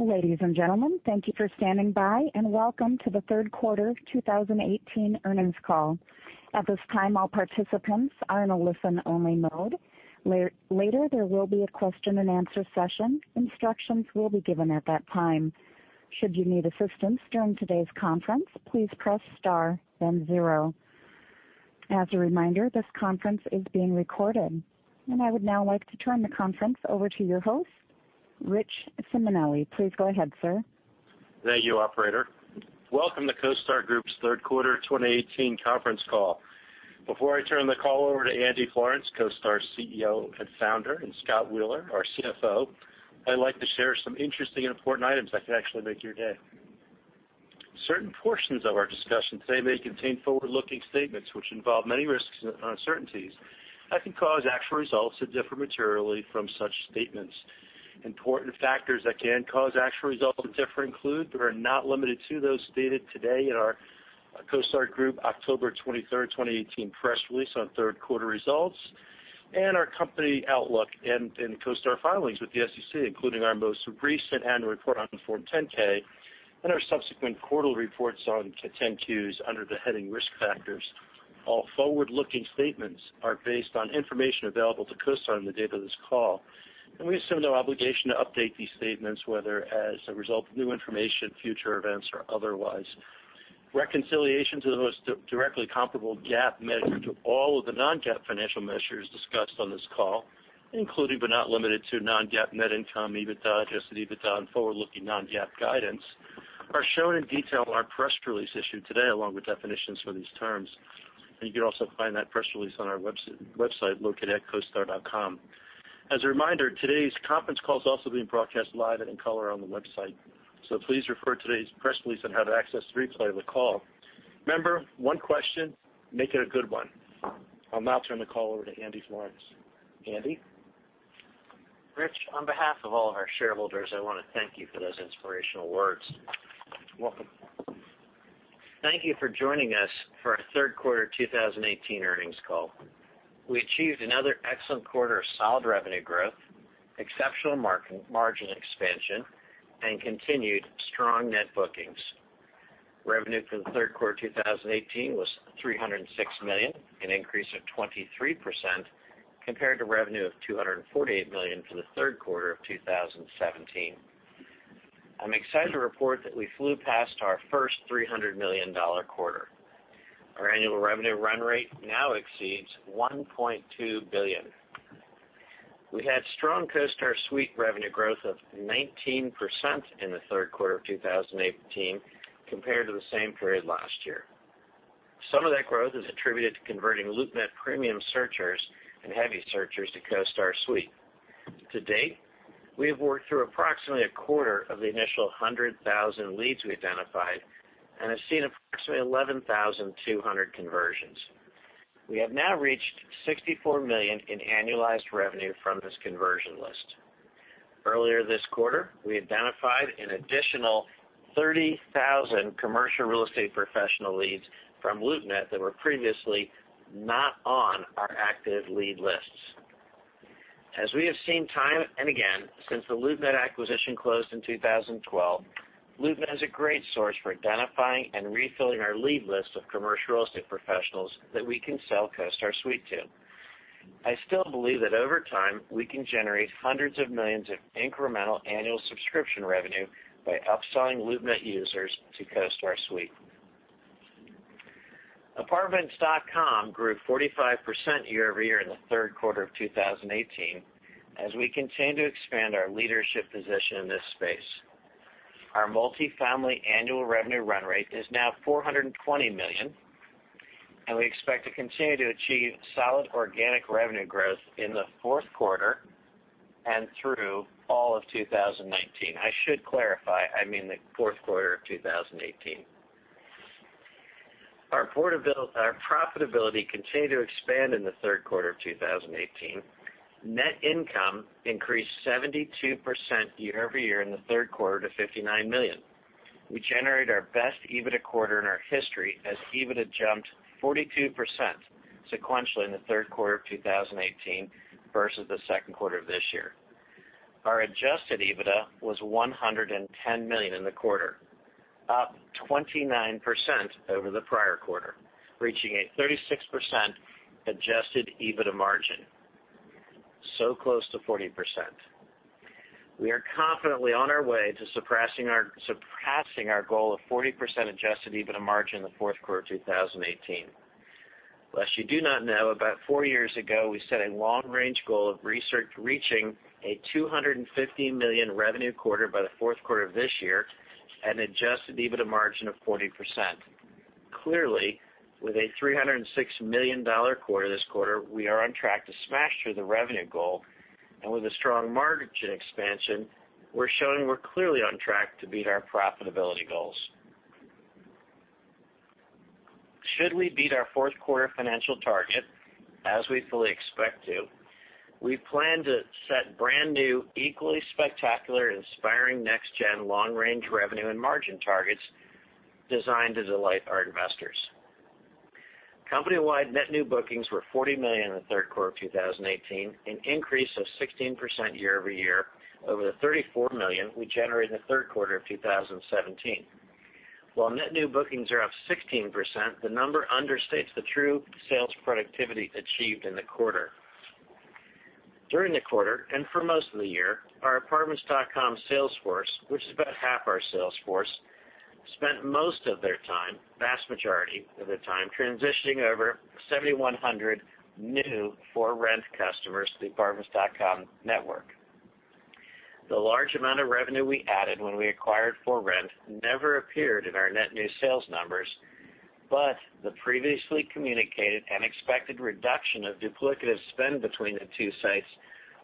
Ladies and gentlemen, thank you for standing by, welcome to the third quarter 2018 earnings call. At this time, all participants are in a listen-only mode. Later, there will be a question and answer session. Instructions will be given at that time. Should you need assistance during today's conference, please press star then zero. As a reminder, this conference is being recorded. I would now like to turn the conference over to your host, Richard Simonelli. Please go ahead, sir. Thank you, operator. Welcome to CoStar Group's third quarter 2018 conference call. Before I turn the call over to Andy Florance, CoStar CEO and founder, and Scott Wheeler, our CFO, I'd like to share some interesting and important items that could actually make your day. Certain portions of our discussion today may contain forward-looking statements which involve many risks and uncertainties that can cause actual results to differ materially from such statements. Important factors that can cause actual results to differ include, but are not limited to, those stated today in our CoStar Group October 23rd, 2018 press release on third-quarter results and our company outlook and CoStar filings with the SEC, including our most recent annual report on Form 10-K and our subsequent quarterly reports on 10-Qs under the heading Risk Factors. All forward-looking statements are based on information available to CoStar on the date of this call, and we assume no obligation to update these statements, whether as a result of new information, future events, or otherwise. Reconciliation to the most directly comparable GAAP measure to all of the non-GAAP financial measures discussed on this call, including but not limited to non-GAAP net income, EBITDA, adjusted EBITDA, and forward-looking non-GAAP guidance, are shown in detail in our press release issued today, along with definitions for these terms. You can also find that press release on our website located at costar.com. As a reminder, today's conference call is also being broadcast live and in color on the website. Please refer to today's press release on how to access the replay of the call. Remember, one question, make it a good one. I'll now turn the call over to Andy Florance. Andy? Rich, on behalf of all of our shareholders, I want to thank you for those inspirational words. You're welcome. Thank you for joining us for our third quarter 2018 earnings call. We achieved another excellent quarter of solid revenue growth, exceptional margin expansion, and continued strong net bookings. Revenue for the third quarter 2018 was $306 million, an increase of 23%, compared to revenue of $248 million for the third quarter of 2017. I'm excited to report that we flew past our first $300 million quarter. Our annual revenue run rate now exceeds $1.2 billion. We had strong CoStar Suite revenue growth of 19% in the third quarter of 2018 compared to the same period last year. Some of that growth is attributed to converting LoopNet premium searchers and heavy searchers to CoStar Suite. To date, we have worked through approximately a quarter of the initial 100,000 leads we identified and have seen approximately 11,200 conversions. We have now reached $64 million in annualized revenue from this conversion list. Earlier this quarter, we identified an additional 30,000 commercial real estate professional leads from LoopNet that were previously not on our active lead lists. As we have seen time and again since the LoopNet acquisition closed in 2012, LoopNet is a great source for identifying and refilling our lead list of commercial real estate professionals that we can sell CoStar Suite to. I still believe that over time, we can generate hundreds of millions of incremental annual subscription revenue by upselling LoopNet users to CoStar Suite. Apartments.com grew 45% year-over-year in the third quarter of 2018 as we continue to expand our leadership position in this space. Our multifamily annual revenue run rate is now $420 million, and we expect to continue to achieve solid organic revenue growth in the fourth quarter and through all of 2019. I should clarify, I mean the fourth quarter of 2018. Our profitability continued to expand in the third quarter of 2018. Net income increased 72% year-over-year in the third quarter to $59 million. We generated our best EBITDA quarter in our history as EBITDA jumped 42% sequentially in the third quarter of 2018 versus the second quarter of this year. Our adjusted EBITDA was $110 million in the quarter, up 29% over the prior quarter, reaching a 36% adjusted EBITDA margin. Close to 40%. We are confidently on our way to surpassing our goal of 40% adjusted EBITDA margin in the fourth quarter of 2018. Lest you do not know, about four years ago, we set a long-range goal of reaching a $250 million revenue quarter by the fourth quarter of this year and an adjusted EBITDA margin of 40%. Clearly, with a $306 million quarter this quarter, we are on track to smash through the revenue goal. With a strong margin expansion, we're showing we're clearly on track to beat our profitability goals. Should we beat our fourth quarter financial target, as we fully expect to, we plan to set brand-new, equally spectacular, inspiring next-gen long-range revenue and margin targets designed to delight our investors. Company-wide net new bookings were $40 million in the third quarter of 2018, an increase of 16% year-over-year over the $34 million we generated in the third quarter of 2017. While net new bookings are up 16%, the number understates the true sales productivity achieved in the quarter. During the quarter, and for most of the year, our apartments.com sales force, which is about half our sales force, spent most of their time, vast majority of their time, transitioning over 7,100 new ForRent customers to the apartments.com network. The large amount of revenue we added when we acquired ForRent never appeared in our net new sales numbers, but the previously communicated unexpected reduction of duplicative spend between the two sites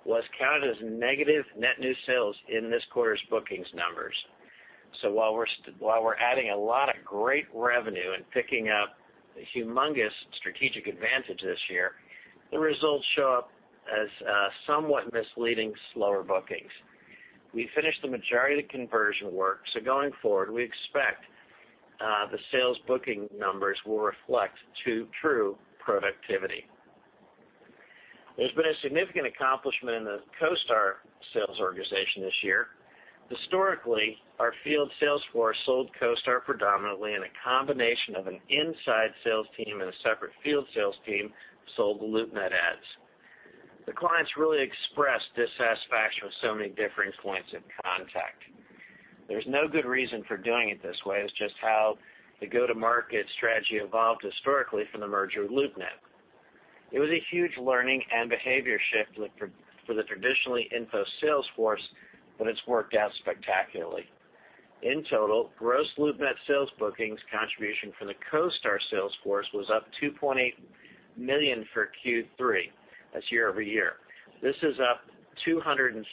was counted as negative net new sales in this quarter's bookings numbers. While we're adding a lot of great revenue and picking up a humongous strategic advantage this year, the results show up as somewhat misleading slower bookings. We finished the majority of the conversion work. Going forward, we expect the sales booking numbers will reflect to true productivity. There's been a significant accomplishment in the CoStar sales organization this year. Historically, our field sales force sold CoStar predominantly, and a combination of an inside sales team and a separate field sales team sold LoopNet ads. The clients really expressed dissatisfaction with so many differing points of contact. There's no good reason for doing it this way. It's just how the go-to-market strategy evolved historically from the merger with LoopNet. It was a huge learning and behavior shift for the traditionally info sales force, but it's worked out spectacularly. In total, gross LoopNet sales bookings contribution from the CoStar sales force was up $2.8 million for Q3. That's year-over-year. This is up 261%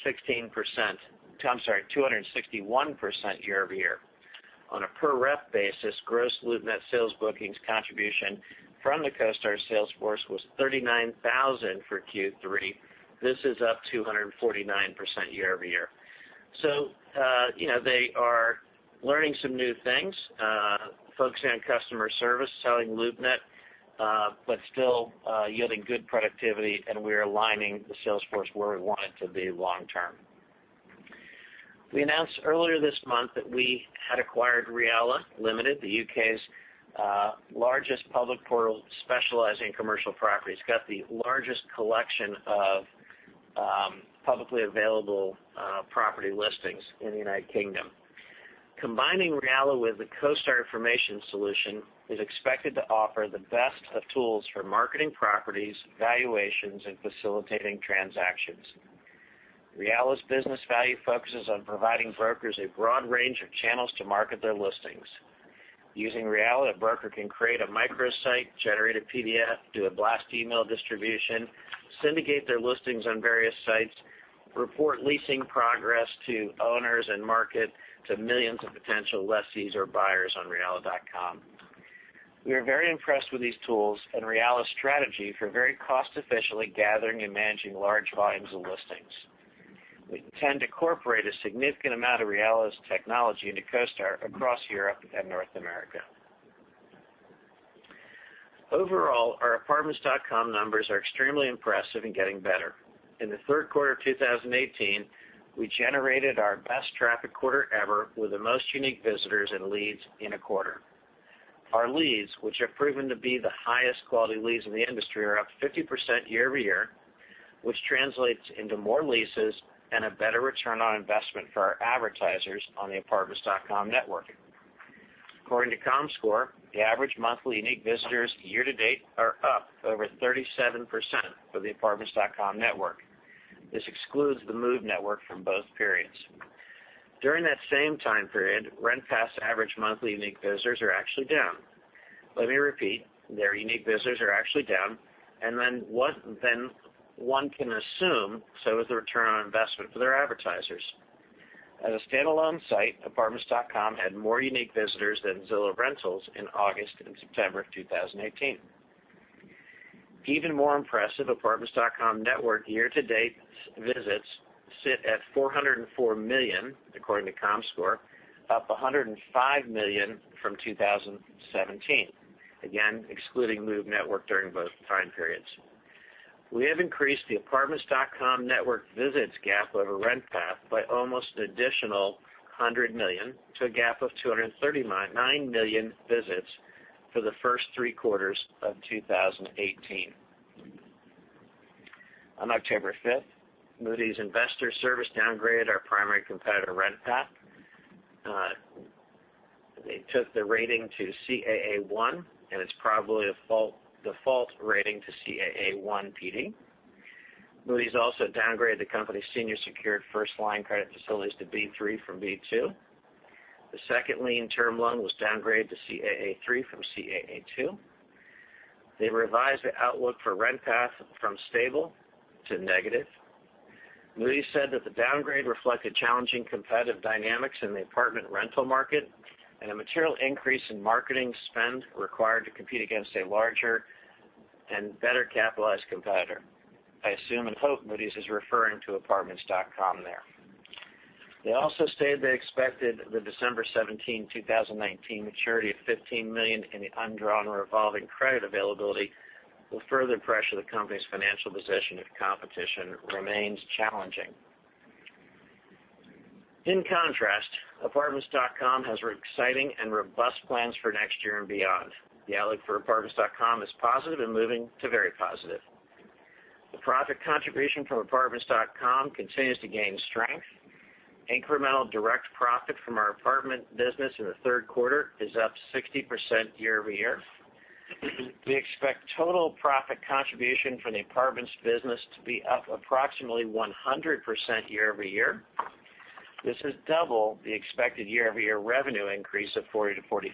year-over-year. On a per rep basis, gross LoopNet sales bookings contribution from the CoStar sales force was $39,000 for Q3. This is up 249% year-over-year. They are learning some new things, focusing on customer service, selling LoopNet, but still yielding good productivity, and we're aligning the sales force where we want it to be long term. We announced earlier this month that we had acquired Realla Limited, the U.K.'s largest public portal specializing in commercial properties. Got the largest collection of publicly available property listings in the United Kingdom. Combining Realla with the CoStar information solution is expected to offer the best of tools for marketing properties, valuations, and facilitating transactions. Realla's business value focuses on providing brokers a broad range of channels to market their listings. Using Realla, a broker can create a microsite, generate a PDF, do a blast email distribution, syndicate their listings on various sites, report leasing progress to owners, and market to millions of potential lessees or buyers on realla.com. We are very impressed with these tools and Realla's strategy for very cost-efficiently gathering and managing large volumes of listings. We intend to incorporate a significant amount of Realla's technology into CoStar across Europe and North America. Overall, our apartments.com numbers are extremely impressive and getting better. In the third quarter of 2018, we generated our best traffic quarter ever with the most unique visitors and leads in a quarter. Our leads, which have proven to be the highest quality leads in the industry, are up 50% year-over-year, which translates into more leases and a better return on investment for our advertisers on the Apartments.com network. According to Comscore, the average monthly unique visitors year-to-date are up over 37% for the Apartments.com network. This excludes the Move network from both periods. During that same time period, RentPath's average monthly unique visitors are actually down. Let me repeat. Their unique visitors are actually down, one can assume so is the return on investment for their advertisers. As a standalone site, Apartments.com had more unique visitors than Zillow Rentals in August and September of 2018. Even more impressive, Apartments.com network year-to-date visits sit at 404 million, according to Comscore, up 105 million from 2017. Again, excluding Move network during both time periods. We have increased the Apartments.com network visits gap over RentPath by almost an additional 100 million to a gap of 239 million visits for the first three quarters of 2018. On October 5th, Moody's Investors Service downgraded our primary competitor, RentPath. They took the rating to CAA1, and its probable default rating to Caa1-PD. Moody's also downgraded the company's senior secured first-lien credit facilities to B3 from B2. The second lien term loan was downgraded to CAA3 from CAA2. They revised the outlook for RentPath from stable to negative. Moody's said that the downgrade reflected challenging competitive dynamics in the apartment rental market and a material increase in marketing spend required to compete against a larger and better-capitalized competitor. I assume and hope Moody's is referring to Apartments.com there. They also stated they expected the December 17, 2019 maturity of $15 million in the undrawn revolving credit availability will further pressure the company's financial position if competition remains challenging. In contrast, Apartments.com has exciting and robust plans for next year and beyond. The outlook for Apartments.com is positive and moving to very positive. The profit contribution from Apartments.com continues to gain strength. Incremental direct profit from our apartment business in the third quarter is up 60% year-over-year. We expect total profit contribution from the apartments business to be up approximately 100% year-over-year. This is double the expected year-over-year revenue increase of 40%-45%.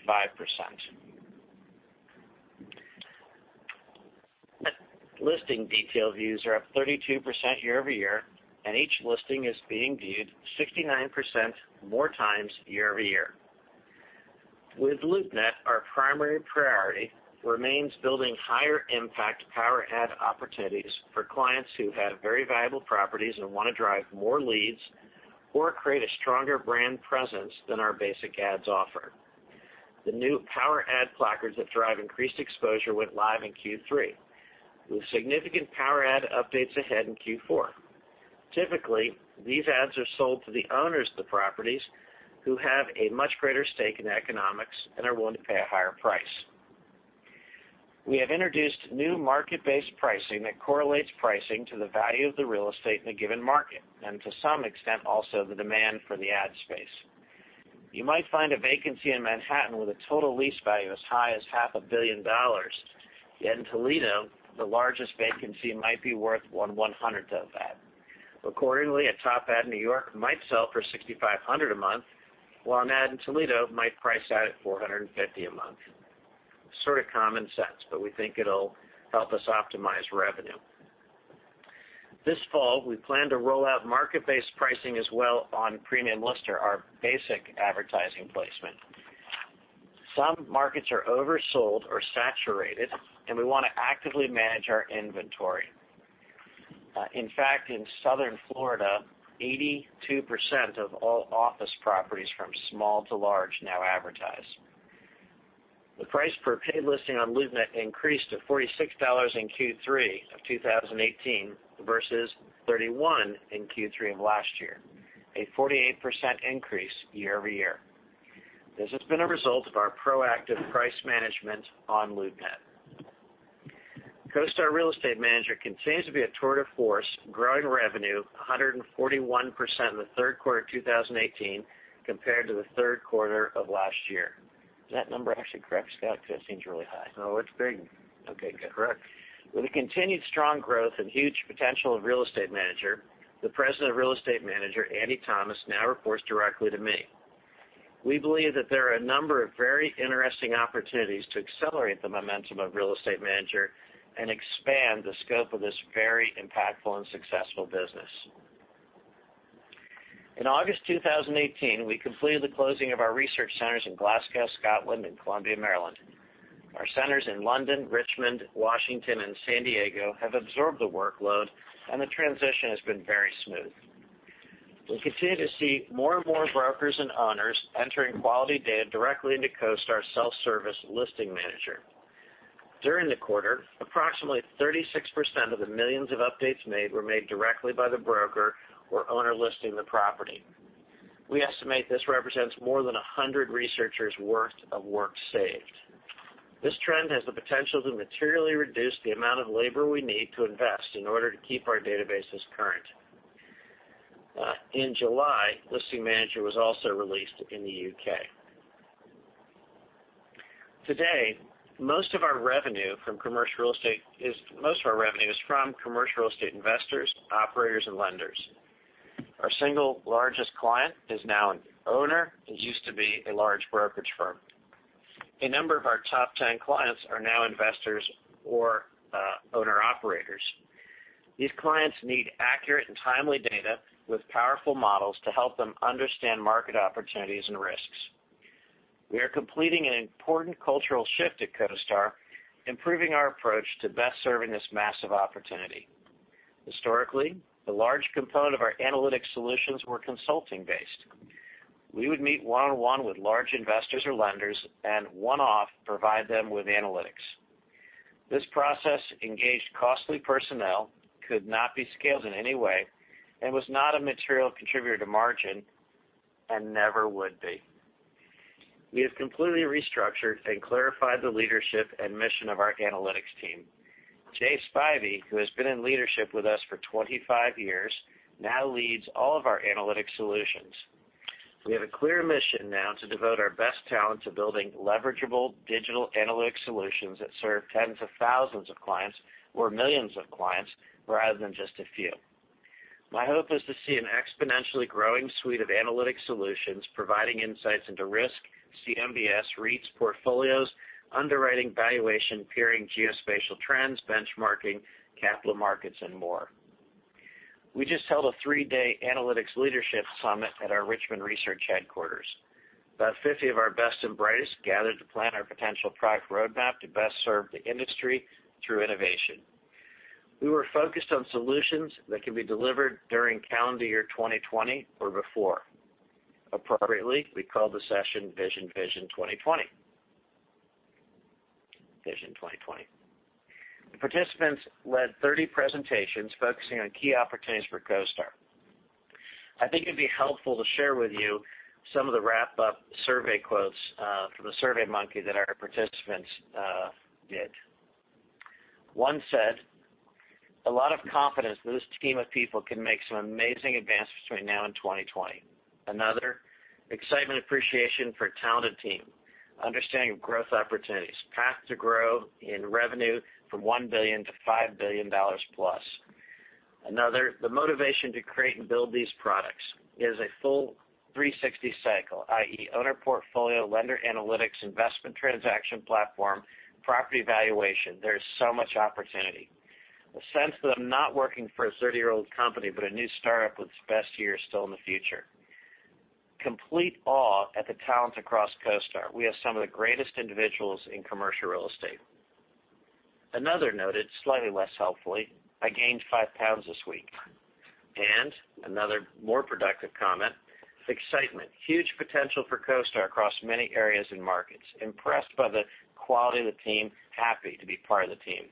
Listing detail views are up 32% year-over-year, and each listing is being viewed 69% more times year-over-year. With LoopNet, our primary priority remains building higher impact power ad opportunities for clients who have very valuable properties and want to drive more leads or create a stronger brand presence than our basic ads offer. The new power ad placards that drive increased exposure went live in Q3, with significant power ad updates ahead in Q4. Typically, these ads are sold to the owners of the properties who have a much greater stake in the economics and are willing to pay a higher price. We have introduced new market-based pricing that correlates pricing to the value of the real estate in a given market, and to some extent, also the demand for the ad space. You might find a vacancy in Manhattan with a total lease value as high as half a billion dollars. Yet in Toledo, the largest vacancy might be worth one-one hundredth of that. A top ad in New York might sell for $6,500 a month, while an ad in Toledo might price out at $450 a month. Sort of common sense, but we think it'll help us optimize revenue. This fall, we plan to roll out market-based pricing as well on Premium Lister, our basic advertising placement. Some markets are oversold or saturated, and we want to actively manage our inventory. In fact, in southern Florida, 82% of all office properties from small to large now advertise. The price per paid listing on LoopNet increased to $46 in Q3 of 2018 versus $31 in Q3 of last year, a 48% increase year-over-year. This has been a result of our proactive price management on LoopNet. CoStar Real Estate Manager continues to be a tour de force, growing revenue 141% in the third quarter of 2018 compared to the third quarter of last year. Is that number actually correct, Scott? It seems really high. No, it's big. Okay, good. Correct. With the continued strong growth and huge potential of Real Estate Manager, the President of Real Estate Manager, Andy Thomas, now reports directly to me. We believe that there are a number of very interesting opportunities to accelerate the momentum of Real Estate Manager and expand the scope of this very impactful and successful business. In August 2018, we completed the closing of our research centers in Glasgow, Scotland, and Columbia, Maryland. Our centers in London, Richmond, Washington, and San Diego have absorbed the workload, and the transition has been very smooth. We continue to see more and more brokers and owners entering quality data directly into CoStar's self-service Listing Manager. During the quarter, approximately 36% of the millions of updates made were made directly by the broker or owner listing the property. We estimate this represents more than 100 researchers worth of work saved. This trend has the potential to materially reduce the amount of labor we need to invest in order to keep our databases current. In July, Listing Manager was also released in the U.K. Today, most of our revenue is from commercial real estate investors, operators, and lenders. Our single largest client is now an owner. It used to be a large brokerage firm. A number of our top 10 clients are now investors or owner-operators. These clients need accurate and timely data with powerful models to help them understand market opportunities and risks. We are completing an important cultural shift at CoStar, improving our approach to best serving this massive opportunity. Historically, a large component of our analytics solutions were consulting-based. We would meet one-on-one with large investors or lenders, and one-off provide them with analytics. This process engaged costly personnel, could not be scaled in any way, and was not a material contributor to margin and never would be. We have completely restructured and clarified the leadership and mission of our analytics team. Jay Spivey, who has been in leadership with us for 25 years, now leads all of our analytic solutions. We have a clear mission now to devote our best talent to building leverageable digital analytic solutions that serve tens of thousands of clients or millions of clients rather than just a few. My hope is to see an exponentially growing suite of analytic solutions providing insights into risk, CMBS, REITs, portfolios, underwriting, valuation, peering, geospatial trends, benchmarking, capital markets, and more. We just held a three-day analytics leadership summit at our Richmond research headquarters. About 50 of our best and brightest gathered to plan our potential product roadmap to best serve the industry through innovation. We were focused on solutions that can be delivered during calendar year 2020 or before. Appropriately, we call the session Vision 2020. The participants led 30 presentations focusing on key opportunities for CoStar. I think it would be helpful to share with you some of the wrap-up survey quotes from the SurveyMonkey that our participants did. One said, "A lot of confidence that this team of people can make some amazing advancements between now and 2020." Another, "Excitement, appreciation for talented team, understanding of growth opportunities, path to grow in revenue from $1 billion to $5 billion-plus." Another, "The motivation to create and build these products. It is a full 360 cycle, i.e., owner portfolio, lender analytics, investment transaction platform, property valuation. There is so much opportunity. The sense that I'm not working for a 30-year-old company, but a new startup with its best years still in the future. Complete awe at the talent across CoStar. We have some of the greatest individuals in commercial real estate." Another noted, slightly less helpfully, "I gained five pounds this week." Excitement. Huge potential for CoStar across many areas and markets. Impressed by the quality of the team. Happy to be part of the team."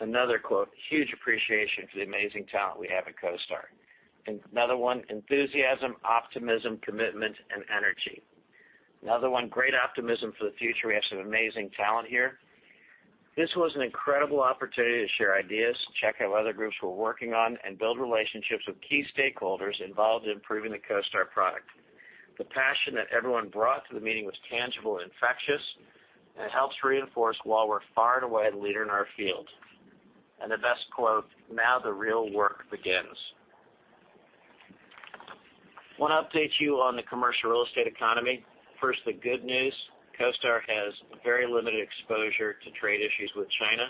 Another quote, "Huge appreciation for the amazing talent we have at CoStar." Another one, "Enthusiasm, optimism, commitment, and energy." Another one, "Great optimism for the future. We have some amazing talent here. This was an incredible opportunity to share ideas, check out what other groups were working on, and build relationships with key stakeholders involved in improving the CoStar product. The passion that everyone brought to the meeting was tangible and infectious, and it helps reinforce why we're far and away the leader in our field." The best quote, "Now the real work begins." I want to update you on the commercial real estate economy. First, the good news. CoStar has very limited exposure to trade issues with China.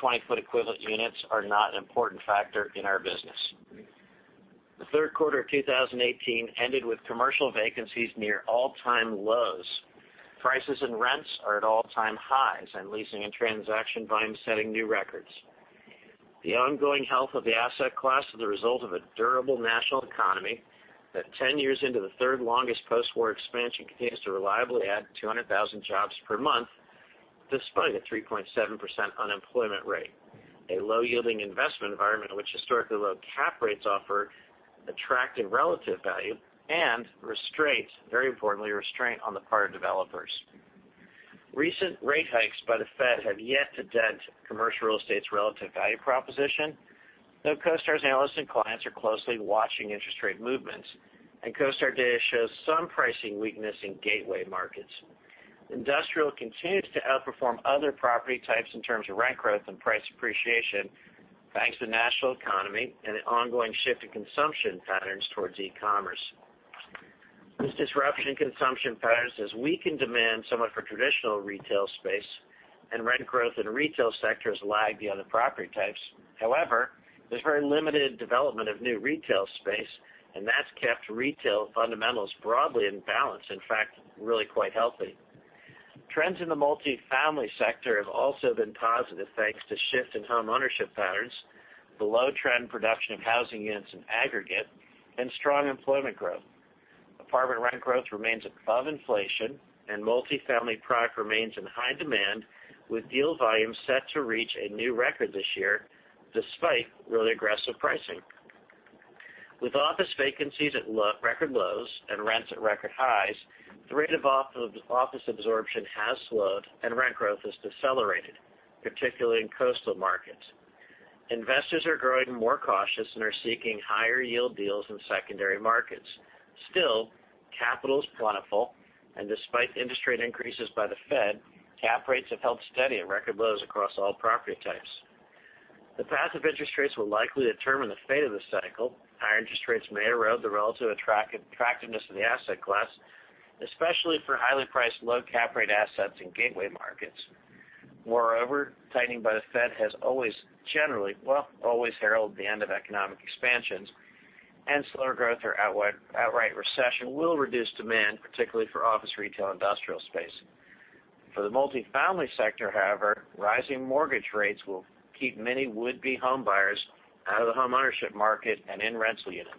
20-foot equivalent units are not an important factor in our business. The third quarter of 2018 ended with commercial vacancies near all-time lows. Prices and rents are at all-time highs, and leasing and transaction volume setting new records. The ongoing health of the asset class is the result of a durable national economy that 10 years into the third longest post-war expansion continues to reliably add 200,000 jobs per month, despite a 3.7% unemployment rate. A low-yielding investment environment in which historically low cap rates offer attractive relative value and restraint, very importantly, restraint on the part of developers. Recent rate hikes by the Fed have yet to dent commercial real estate's relative value proposition, though CoStar's analysts and clients are closely watching interest rate movements, and CoStar data shows some pricing weakness in gateway markets. Industrial continues to outperform other property types in terms of rent growth and price appreciation, thanks to the national economy and the ongoing shift in consumption patterns towards e-commerce. This disruption in consumption patterns has weakened demand somewhat for traditional retail space, and rent growth in the retail sector has lagged the other property types. However, there's very limited development of new retail space, and that's kept retail fundamentals broadly in balance, in fact, really quite healthy. Trends in the multifamily sector have also been positive, thanks to shifts in homeownership patterns, the low trend production of housing units in aggregate, and strong employment growth. Apartment rent growth remains above inflation, and multifamily product remains in high demand, with deal volume set to reach a new record this year, despite really aggressive pricing. With office vacancies at record lows and rents at record highs, the rate of office absorption has slowed, and rent growth has decelerated, particularly in coastal markets. Investors are growing more cautious and are seeking higher-yield deals in secondary markets. Still, capital is plentiful, and despite interest rate increases by the Fed, cap rates have held steady at record lows across all property types. The path of interest rates will likely determine the fate of this cycle. Higher interest rates may erode the relative attractiveness of the asset class, especially for highly priced, low cap rate assets in gateway markets. Tightening by the Fed has always, generally, well, always heralded the end of economic expansions, and slower growth or outright recession will reduce demand, particularly for office, retail, industrial space. For the multifamily sector, however, rising mortgage rates will keep many would-be homebuyers out of the homeownership market and in rental units.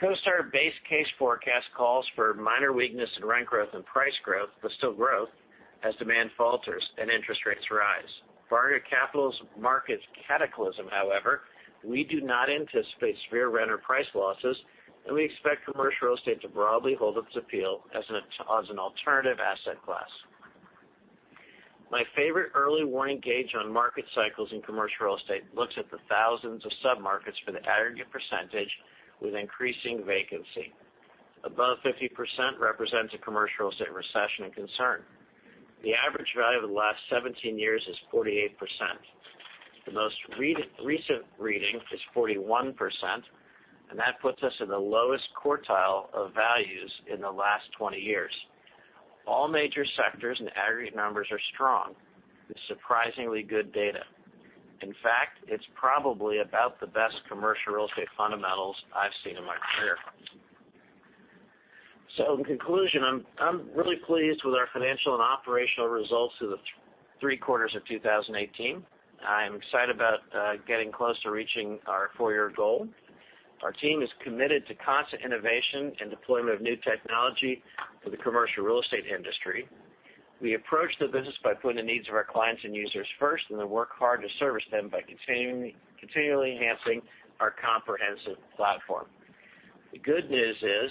CoStar base case forecast calls for minor weakness in rent growth and price growth, but still growth as demand falters and interest rates rise. Barring a capital markets cataclysm, however, we do not anticipate severe rent or price losses, and we expect commercial real estate to broadly hold its appeal as an alternative asset class. My favorite early warning gauge on market cycles in commercial real estate looks at the thousands of submarkets for the aggregate percentage with increasing vacancy. Above 50% represents a commercial real estate recession and concern. The average value of the last 17 years is 48%. The most recent reading is 41%, and that puts us in the lowest quartile of values in the last 20 years. All major sectors and aggregate numbers are strong with surprisingly good data. In fact, it's probably about the best commercial real estate fundamentals I've seen in my career. In conclusion, I'm really pleased with our financial and operational results through the three quarters of 2018. I'm excited about getting close to reaching our four-year goal. Our team is committed to constant innovation and deployment of new technology for the commercial real estate industry. We approach the business by putting the needs of our clients and users first, and then work hard to service them by continually enhancing our comprehensive platform. The good news is,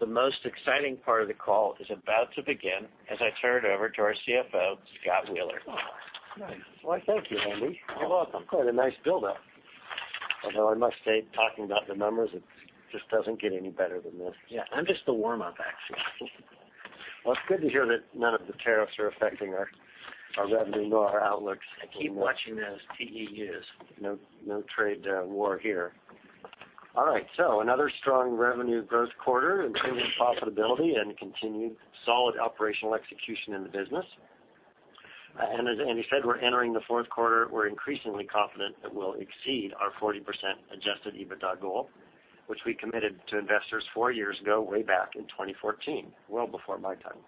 the most exciting part of the call is about to begin, as I turn it over to our CFO, Scott Wheeler. Oh, nice. Why, thank you, Andy. You're welcome. Quite a nice buildup. Although I must state, talking about the numbers, it just doesn't get any better than this. Yeah. I'm just the warm-up, actually. Well, it's good to hear that none of the tariffs are affecting our revenue, nor our outlooks. I keep watching those TEUs. No trade war here. Another strong revenue growth quarter, improved profitability, and continued solid operational execution in the business. As Andy said, we're entering the fourth quarter, we're increasingly confident that we'll exceed our 40% adjusted EBITDA goal, which we committed to investors four years ago, way back in 2014. Well before my time.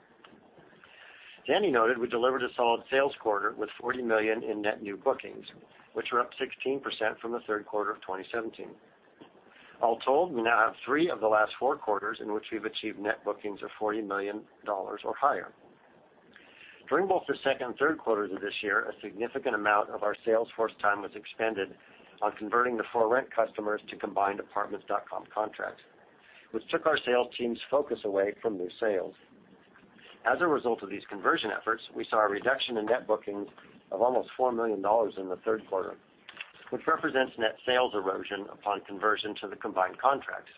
As Andy noted, we delivered a solid sales quarter with $40 million in net new bookings, which were up 16% from the third quarter of 2017. All told, we now have three of the last four quarters in which we've achieved net bookings of $40 million or higher. During both the second and third quarters of this year, a significant amount of our sales force time was expended on converting the ForRent customers to combined Apartments.com contracts, which took our sales team's focus away from new sales. As a result of these conversion efforts, we saw a reduction in net bookings of almost $4 million in the third quarter, which represents net sales erosion upon conversion to the combined contracts.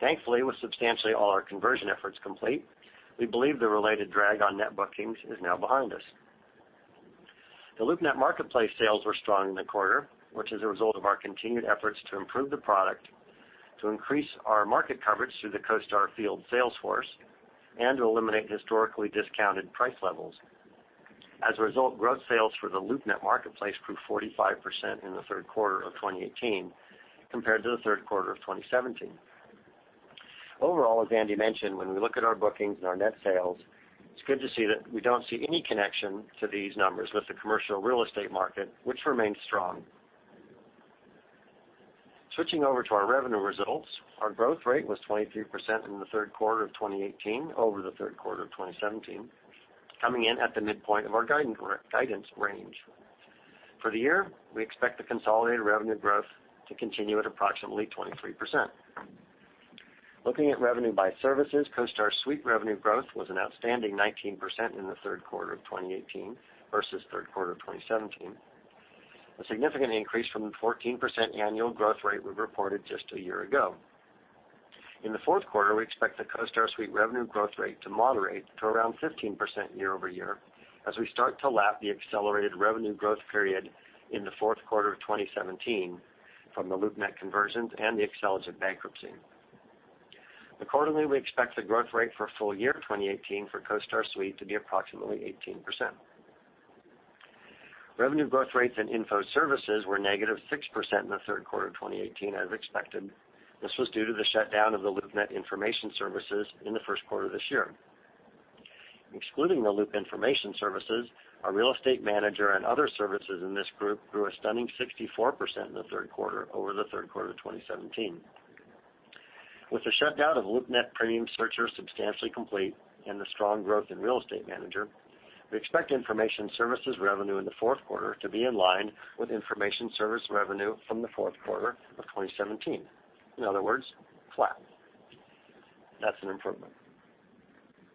Thankfully, with substantially all our conversion efforts complete, we believe the related drag on net bookings is now behind us. The LoopNet marketplace sales were strong in the quarter, which is a result of our continued efforts to improve the product, to increase our market coverage through the CoStar field sales force, and to eliminate historically discounted price levels. As a result, gross sales for the LoopNet marketplace grew 45% in the third quarter of 2018 compared to the third quarter of 2017. Overall, as Andy mentioned, when we look at our bookings and our net sales, it's good to see that we don't see any connection to these numbers with the commercial real estate market, which remains strong. Switching over to our revenue results, our growth rate was 23% in the third quarter of 2018 over the third quarter of 2017, coming in at the midpoint of our guidance range. For the year, we expect the consolidated revenue growth to continue at approximately 23%. Looking at revenue by services, CoStar Suite revenue growth was an outstanding 19% in the third quarter of 2018 versus third quarter of 2017, a significant increase from the 14% annual growth rate we reported just a year ago. In the fourth quarter, we expect the CoStar Suite revenue growth rate to moderate to around 15% year-over-year, as we start to lap the accelerated revenue growth period in the fourth quarter of 2017 from the LoopNet conversions and the Xceligent bankruptcy. Accordingly, we expect the growth rate for full year 2018 for CoStar Suite to be approximately 18%. Revenue growth rates in info services were negative 6% in the third quarter of 2018, as expected. This was due to the shutdown of the LoopNet information services in the first quarter of this year. Excluding the LoopNet information services, our Real Estate Manager and other services in this group grew a stunning 64% in the third quarter over the third quarter of 2017. With the shutdown of LoopNet Premium Listers substantially complete and the strong growth in Real Estate Manager, we expect information services revenue in the fourth quarter to be in line with information services revenue from the fourth quarter of 2017. In other words, flat. That's an improvement.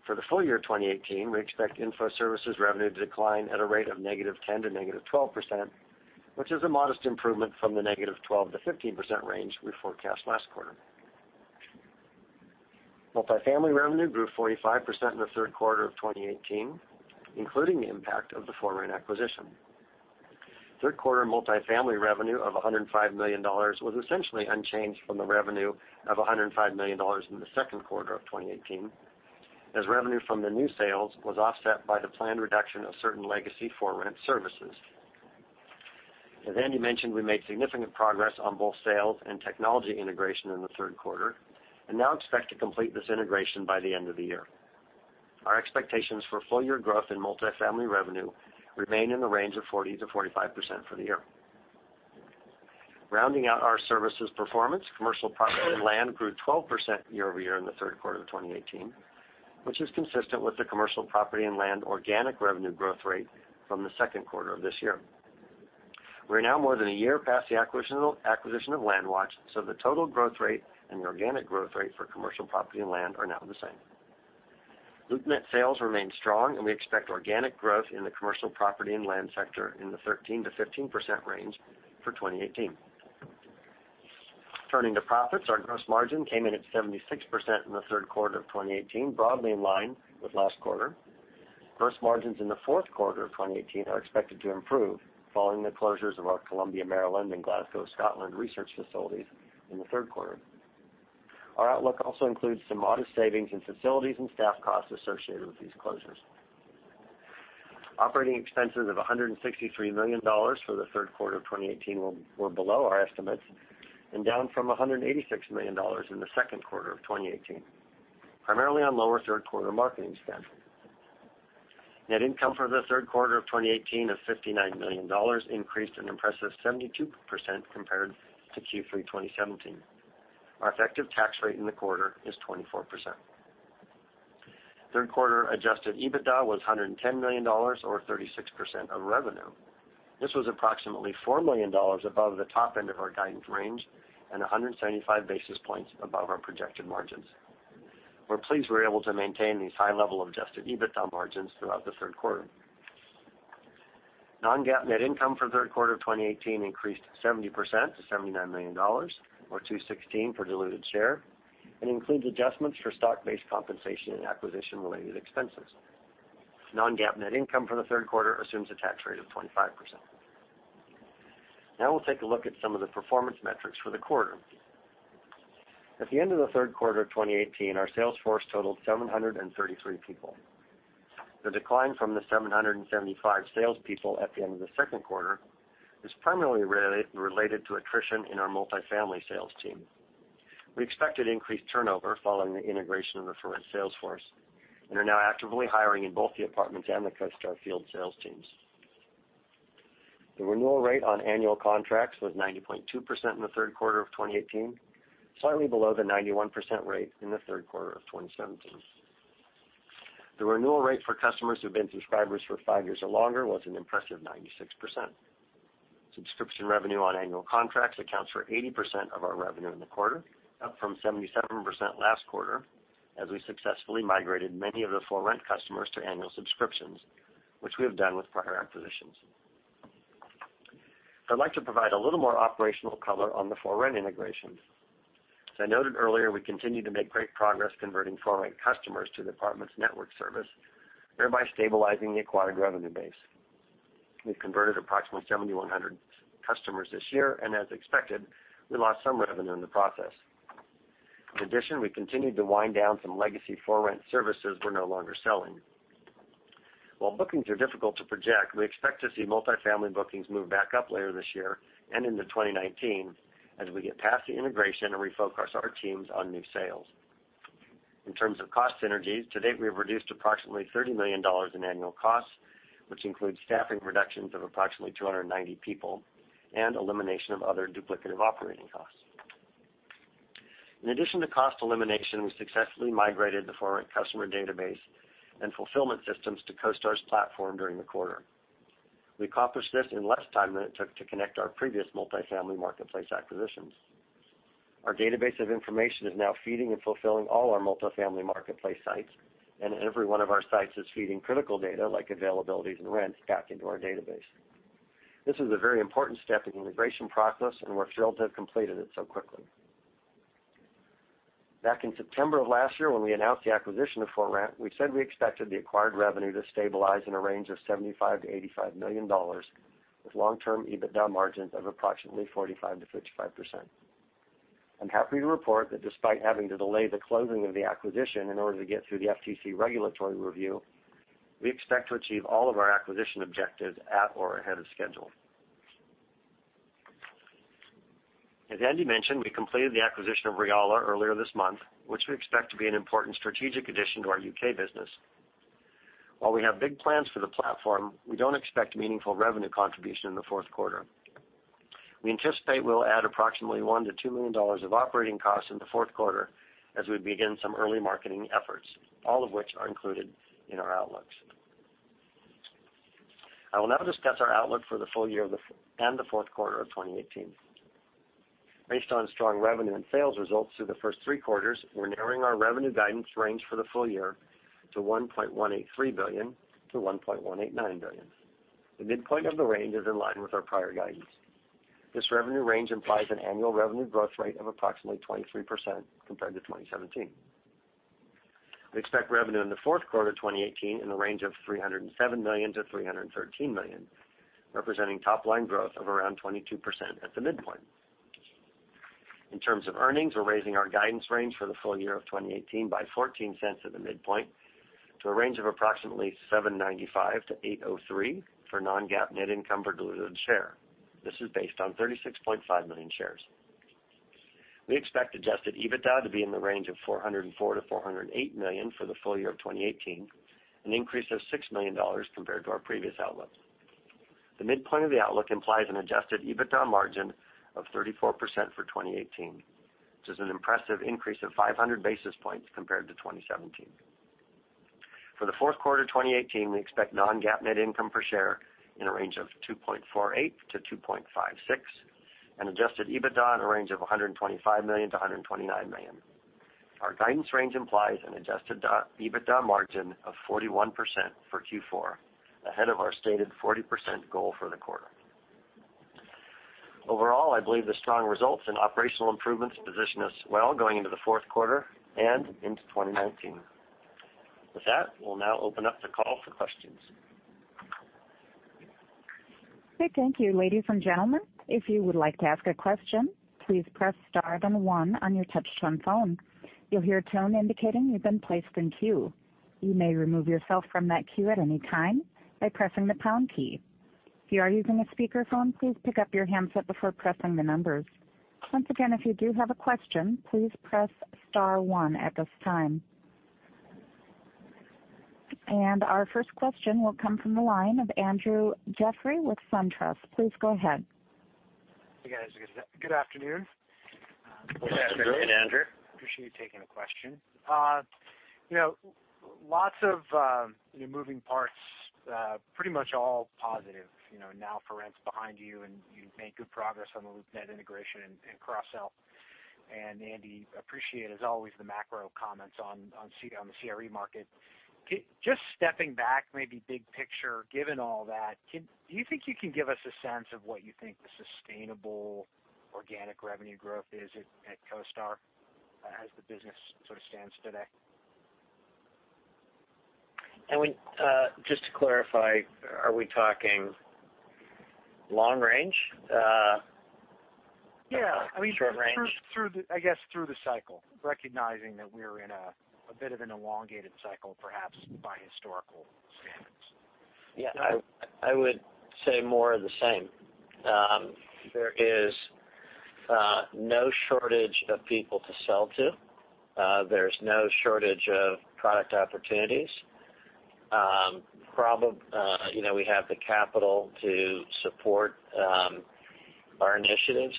For the full year 2018, we expect info services revenue to decline at a rate of negative 10% to negative 12%, which is a modest improvement from the negative 12% to 15% range we forecast last quarter. Multifamily revenue grew 45% in the third quarter of 2018, including the impact of the ForRent acquisition. Third quarter multifamily revenue of $105 million was essentially unchanged from the revenue of $105 million in the second quarter of 2018, as revenue from the new sales was offset by the planned reduction of certain legacy ForRent services. As Andy mentioned, we made significant progress on both sales and technology integration in the third quarter, and now expect to complete this integration by the end of the year. Our expectations for full year growth in multifamily revenue remain in the range of 40%-45% for the year. Rounding out our services performance, commercial property and land grew 12% year-over-year in the third quarter of 2018, which is consistent with the commercial property and land organic revenue growth rate from the second quarter of this year. We're now more than a year past the acquisition of LandWatch, so the total growth rate and the organic growth rate for commercial property and land are now the same. LoopNet sales remain strong, and we expect organic growth in the commercial property and land sector in the 13%-15% range for 2018. Turning to profits, our gross margin came in at 76% in the third quarter of 2018, broadly in line with last quarter. Gross margins in the fourth quarter of 2018 are expected to improve following the closures of our Columbia, Maryland, and Glasgow, Scotland research facilities in the third quarter. Our outlook also includes some modest savings in facilities and staff costs associated with these closures. Operating expenses of $163 million for the third quarter of 2018 were below our estimates and down from $186 million in the second quarter of 2018, primarily on lower third-quarter marketing spend. Net income for the third quarter of 2018 of $59 million increased an impressive 72% compared to Q3 2017. Our effective tax rate in the quarter is 24%. Third-quarter adjusted EBITDA was $110 million or 36% of revenue. This was approximately $4 million above the top end of our guidance range and 175 basis points above our projected margins. We're pleased we were able to maintain these high level of adjusted EBITDA margins throughout the third quarter. Non-GAAP net income for the third quarter of 2018 increased 70% to $79 million, or $2.16 per diluted share, and includes adjustments for stock-based compensation and acquisition-related expenses. Non-GAAP net income for the third quarter assumes a tax rate of 25%. We'll take a look at some of the performance metrics for the quarter. At the end of the third quarter of 2018, our sales force totaled 733 people. The decline from the 775 salespeople at the end of the second quarter is primarily related to attrition in our multifamily sales team. We expected increased turnover following the integration of the ForRent sales force and are now actively hiring in both the Apartments and the CoStar field sales teams. The renewal rate on annual contracts was 90.2% in the third quarter of 2018, slightly below the 91% rate in the third quarter of 2017. The renewal rate for customers who've been subscribers for five years or longer was an impressive 96%. Subscription revenue on annual contracts accounts for 80% of our revenue in the quarter, up from 77% last quarter, as we successfully migrated many of the ForRent customers to annual subscriptions, which we have done with prior acquisitions. I'd like to provide a little more operational color on the ForRent integration. As I noted earlier, we continue to make great progress converting ForRent customers to the Apartments Network service, thereby stabilizing the acquired revenue base. We've converted approximately 7,100 customers this year, and as expected, we lost some revenue in the process. In addition, we continued to wind down some legacy ForRent services we're no longer selling. While bookings are difficult to project, we expect to see multifamily bookings move back up later this year and into 2019 as we get past the integration and refocus our teams on new sales. In terms of cost synergies, to date, we have reduced approximately $30 million in annual costs, which includes staffing reductions of approximately 290 people and elimination of other duplicative operating costs. In addition to cost elimination, we successfully migrated the ForRent customer database and fulfillment systems to CoStar's platform during the quarter. We accomplished this in less time than it took to connect our previous multifamily marketplace acquisitions. Our database of information is now feeding and fulfilling all our multifamily marketplace sites, and every one of our sites is feeding critical data like availabilities and rents back into our database. This is a very important step in the integration process, and we're thrilled to have completed it so quickly. Back in September of last year, when we announced the acquisition of ForRent, we said we expected the acquired revenue to stabilize in a range of $75 million to $85 million with long-term EBITDA margins of approximately 45%-55%. I'm happy to report that despite having to delay the closing of the acquisition in order to get through the FTC regulatory review, we expect to achieve all of our acquisition objectives at or ahead of schedule. As Andy mentioned, we completed the acquisition of Realla earlier this month, which we expect to be an important strategic addition to our U.K. business. While we have big plans for the platform, we don't expect meaningful revenue contribution in the fourth quarter. We anticipate we'll add approximately $1 million-$2 million of operating costs in the fourth quarter as we begin some early marketing efforts, all of which are included in our outlooks. I will now discuss our outlook for the full year and the fourth quarter of 2018. Based on strong revenue and sales results through the first three quarters, we're narrowing our revenue guidance range for the full year to $1.183 billion-$1.189 billion. The midpoint of the range is in line with our prior guidance. This revenue range implies an annual revenue growth rate of approximately 23% compared to 2017. We expect revenue in the fourth quarter of 2018 in the range of $307 million-$313 million, representing top-line growth of around 22% at the midpoint. In terms of earnings, we're raising our guidance range for the full year of 2018 by $0.14 at the midpoint to a range of approximately $7.95-$8.03 for non-GAAP net income per diluted share. This is based on 36.5 million shares. We expect adjusted EBITDA to be in the range of $404 million-$408 million for the full year of 2018, an increase of $6 million compared to our previous outlook. The midpoint of the outlook implies an adjusted EBITDA margin of 34% for 2018, which is an impressive increase of 500 basis points compared to 2017. For the fourth quarter 2018, we expect non-GAAP net income per share in a range of $2.48-$2.56 and adjusted EBITDA in a range of $125 million-$129 million. Our guidance range implies an adjusted EBITDA margin of 41% for Q4, ahead of our stated 40% goal for the quarter. Overall, I believe the strong results and operational improvements position us well going into the fourth quarter and into 2019. With that, we'll now open up the call for questions. Okay, thank you. Ladies and gentlemen, if you would like to ask a question, please press star then one on your touch-tone phone. You'll hear a tone indicating you've been placed in queue. You may remove yourself from that queue at any time by pressing the pound key. If you are using a speakerphone, please pick up your handset before pressing the numbers. Once again, if you do have a question, please press star one at this time. Our first question will come from the line of Andrew Jeffrey with SunTrust. Please go ahead. Hey, guys. Good afternoon. Good afternoon, Andrew. Appreciate you taking the question. Lots of moving parts, pretty much all positive. Now ForRent.com's behind you've made good progress on the LoopNet integration and cross-sell. Andy, appreciate as always the macro comments on the CRE market. Just stepping back maybe big picture, given all that, do you think you can give us a sense of what you think the sustainable organic revenue growth is at CoStar as the business sort of stands today? Just to clarify, are we talking long range? Yeah. Short range? I guess through the cycle, recognizing that we're in a bit of an elongated cycle, perhaps, by historical standards. Yeah. I would say more of the same. There is no shortage of people to sell to. There's no shortage of product opportunities. We have the capital to support our initiatives.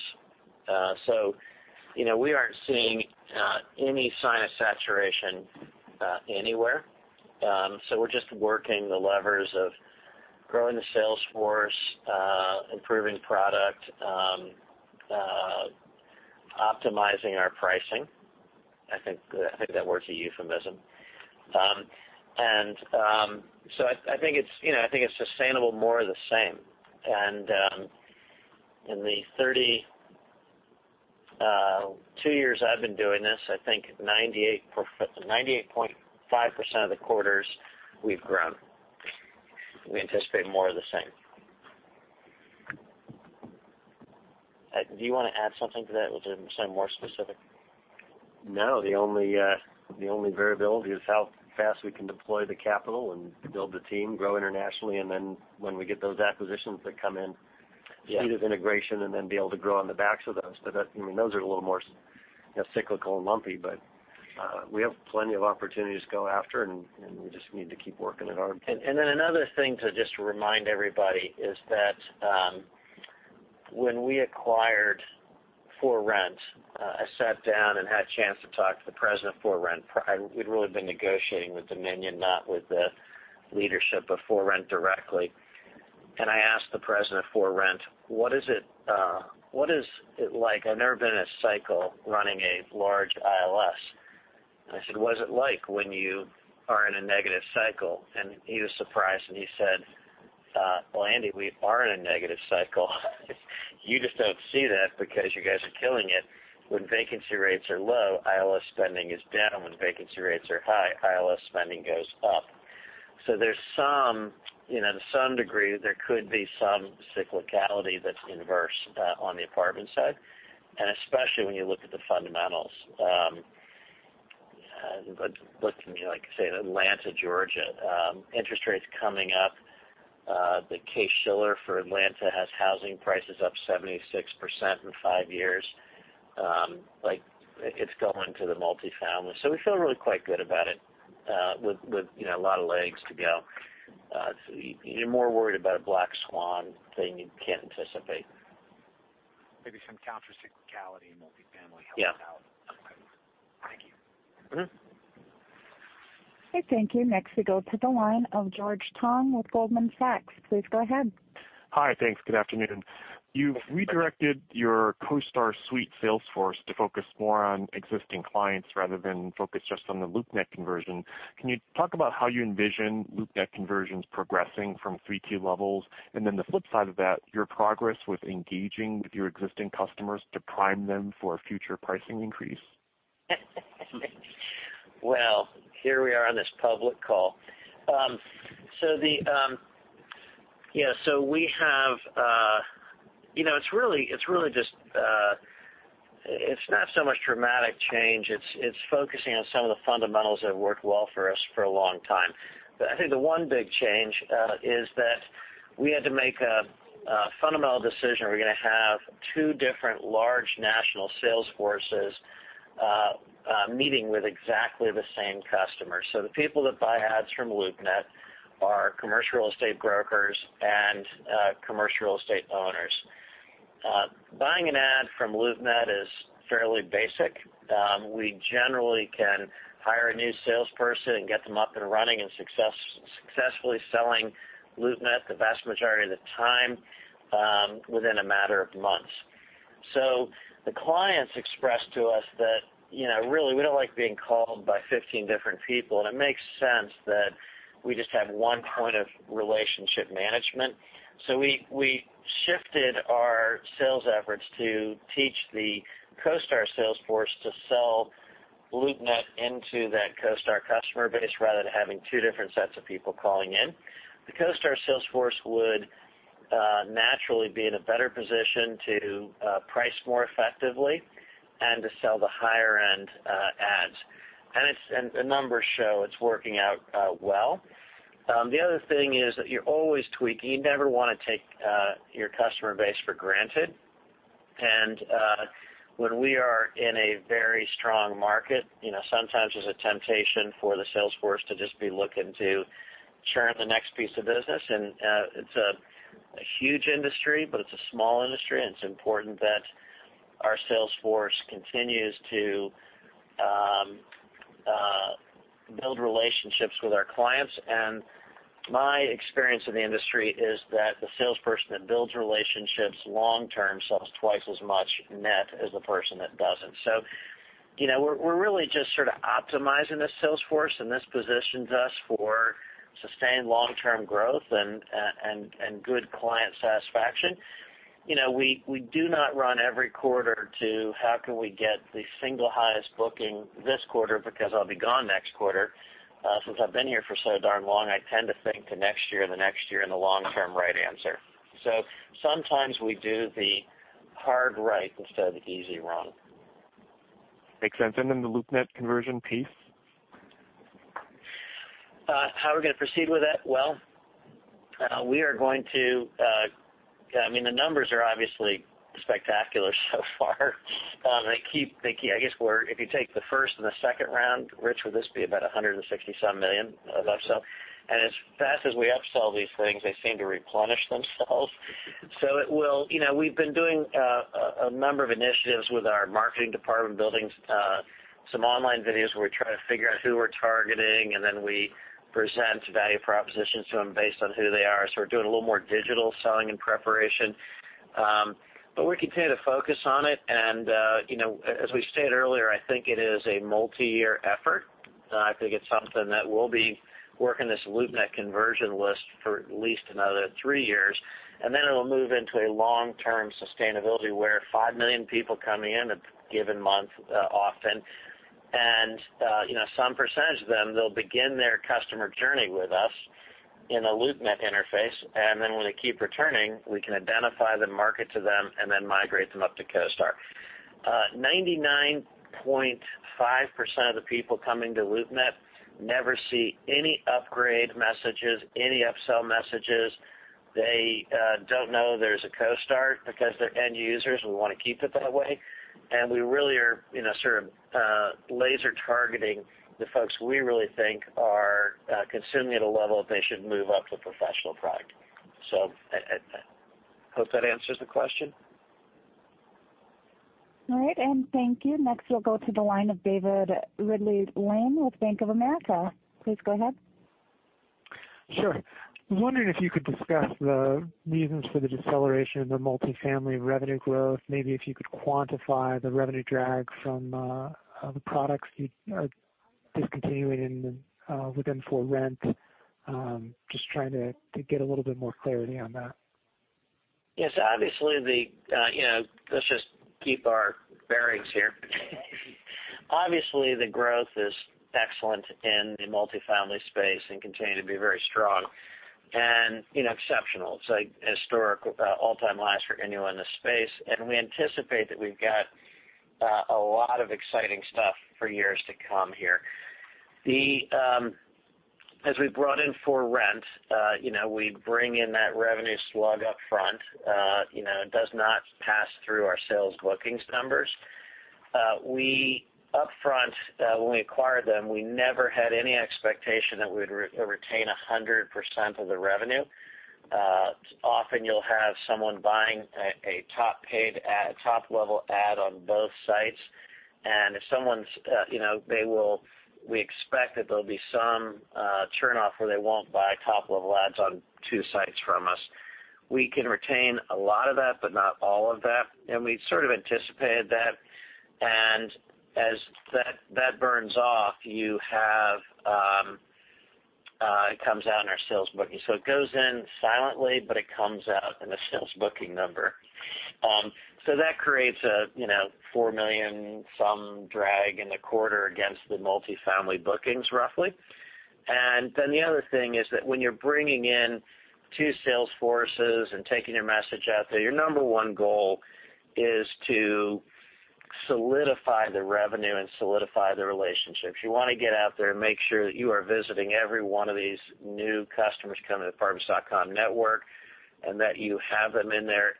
We aren't seeing any sign of saturation anywhere. We're just working the levers of growing the sales force, improving product, optimizing our pricing. I think that word's a euphemism. I think it's sustainable more of the same. In the 32 years I've been doing this, I think 98.5% of the quarters we've grown. We anticipate more of the same. Do you want to add something to that, which is something more specific? No, the only variability is how fast we can deploy the capital and build the team, grow internationally, when we get those acquisitions that come in. Yeah speed of integration to be able to grow on the backs of those. Those are a little more cyclical and lumpy, we have plenty of opportunities to go after, we just need to keep working it hard. Another thing to just remind everybody is that when we acquired ForRent, I sat down and had a chance to talk to the president of ForRent. We'd really been negotiating with Dominion, not with the leadership of ForRent directly. I asked the president of ForRent, "What is it like?" I've never been in a cycle running a large ILS. I said, "What is it like when you are in a negative cycle?" He was surprised, and he said, "Well, Andy, we are in a negative cycle. You just don't see that because you guys are killing it." When vacancy rates are low, ILS spending is down. When vacancy rates are high, ILS spending goes up. To some degree, there could be some cyclicality that's inverse on the apartment side, especially when you look at the fundamentals. Look to, say, Atlanta, Georgia. Interest rates coming up. The Case-Shiller for Atlanta has housing prices up 76% in five years. It's going to the multifamily. We feel really quite good about it with a lot of legs to go. You're more worried about a black swan thing you can't anticipate. Maybe some counter cyclicality in multifamily helping out. Yeah. Okay. Thank you. Okay, thank you. We go to the line of George Tong with Goldman Sachs. Please go ahead. Hi. Thanks. Good afternoon. You've redirected your CoStar Suite sales force to focus more on existing clients rather than focus just on the LoopNet conversion. Can you talk about how you envision LoopNet conversions progressing from 3Q levels? The flip side of that, your progress with engaging with your existing customers to prime them for a future pricing increase? Here we are on this public call. It's not so much dramatic change. It's focusing on some of the fundamentals that have worked well for us for a long time. I think the one big change is that we had to make a fundamental decision. We're going to have two different large national sales forces meeting with exactly the same customers. The people that buy ads from LoopNet are commercial real estate brokers and commercial real estate owners. Buying an ad from LoopNet is fairly basic. We generally can hire a new salesperson and get them up and running and successfully selling LoopNet the vast majority of the time within a matter of months. The clients expressed to us that, really, we don't like being called by 15 different people, and it makes sense that we just have one point of relationship management. We shifted our sales efforts to teach the CoStar sales force to sell LoopNet into that CoStar customer base rather than having two different sets of people calling in. The CoStar sales force would naturally be in a better position to price more effectively and to sell the higher-end ads. The numbers show it's working out well. The other thing is that you're always tweaking. You never want to take your customer base for granted. When we are in a very strong market, sometimes there's a temptation for the sales force to just be looking to churn the next piece of business. It's a huge industry, but it's a small industry, and it's important that our sales force continues to build relationships with our clients. My experience in the industry is that the salesperson that builds relationships long-term sells twice as much net as the person that doesn't. We're really just sort of optimizing the sales force, and this positions us for sustained long-term growth and good client satisfaction. We do not run every quarter to how can we get the single highest booking this quarter because I'll be gone next quarter. Since I've been here for so darn long, I tend to think the next year, the next year, and the long-term right answer. Sometimes we do the hard right instead of the easy wrong. Makes sense. Then the LoopNet conversion piece? How are we going to proceed with that? The numbers are obviously spectacular so far. If you take the first and the second round, Rich, would this be about $160 some million of upsell? As fast as we upsell these things, they seem to replenish themselves. We've been doing a number of initiatives with our marketing department, building some online videos where we try to figure out who we're targeting, and then we present value propositions to them based on who they are. We're doing a little more digital selling and preparation. We continue to focus on it, and as we stated earlier, I think it is a multi-year effort. I think it's something that we'll be working this LoopNet conversion list for at least another three years, and then it'll move into a long-term sustainability where five million people come in a given month, often. Some percentage of them, they'll begin their customer journey with us in a LoopNet interface, then when they keep returning, we can identify them, market to them, then migrate them up to CoStar. 99.5% of the people coming to LoopNet never see any upgrade messages, any upsell messages. They don't know there's a CoStar because they're end users. We want to keep it that way. We really are laser targeting the folks we really think are consuming at a level that they should move up to a professional product. I hope that answers the question. All right, and thank you. Next we'll go to the line of David Ridley-Jones with Bank of America. Please go ahead. Sure. I was wondering if you could discuss the reasons for the deceleration in the multifamily revenue growth. Maybe if you could quantify the revenue drag from the products you are discontinuing within ForRent.com. Just trying to get a little bit more clarity on that. Yes. Let's just keep our bearings here. Obviously, the growth is excellent in the multifamily space and continue to be very strong and exceptional. It's a historic all-time highs for anyone in the space, and we anticipate that we've got a lot of exciting stuff for years to come here. As we brought in ForRent.com, we bring in that revenue slug up front. It does not pass through our sales bookings numbers. Up front, when we acquired them, we never had any expectation that we'd retain 100% of the revenue. Often you'll have someone buying a top-level ad on both sites, and we expect that there'll be some churn-off where they won't buy top-level ads on two sites from us. We can retain a lot of that, but not all of that, and we sort of anticipated that. As that burns off, it comes out in our sales booking. It goes in silently, but it comes out in the sales booking number. That creates a $4 million-some drag in the quarter against the multifamily bookings, roughly. The other thing is that when you're bringing in two sales forces and taking your message out there, your number 1 goal is to solidify the revenue and solidify the relationships. You want to get out there and make sure that you are visiting every one of these new customers coming to the Apartments.com network and that you have them in there.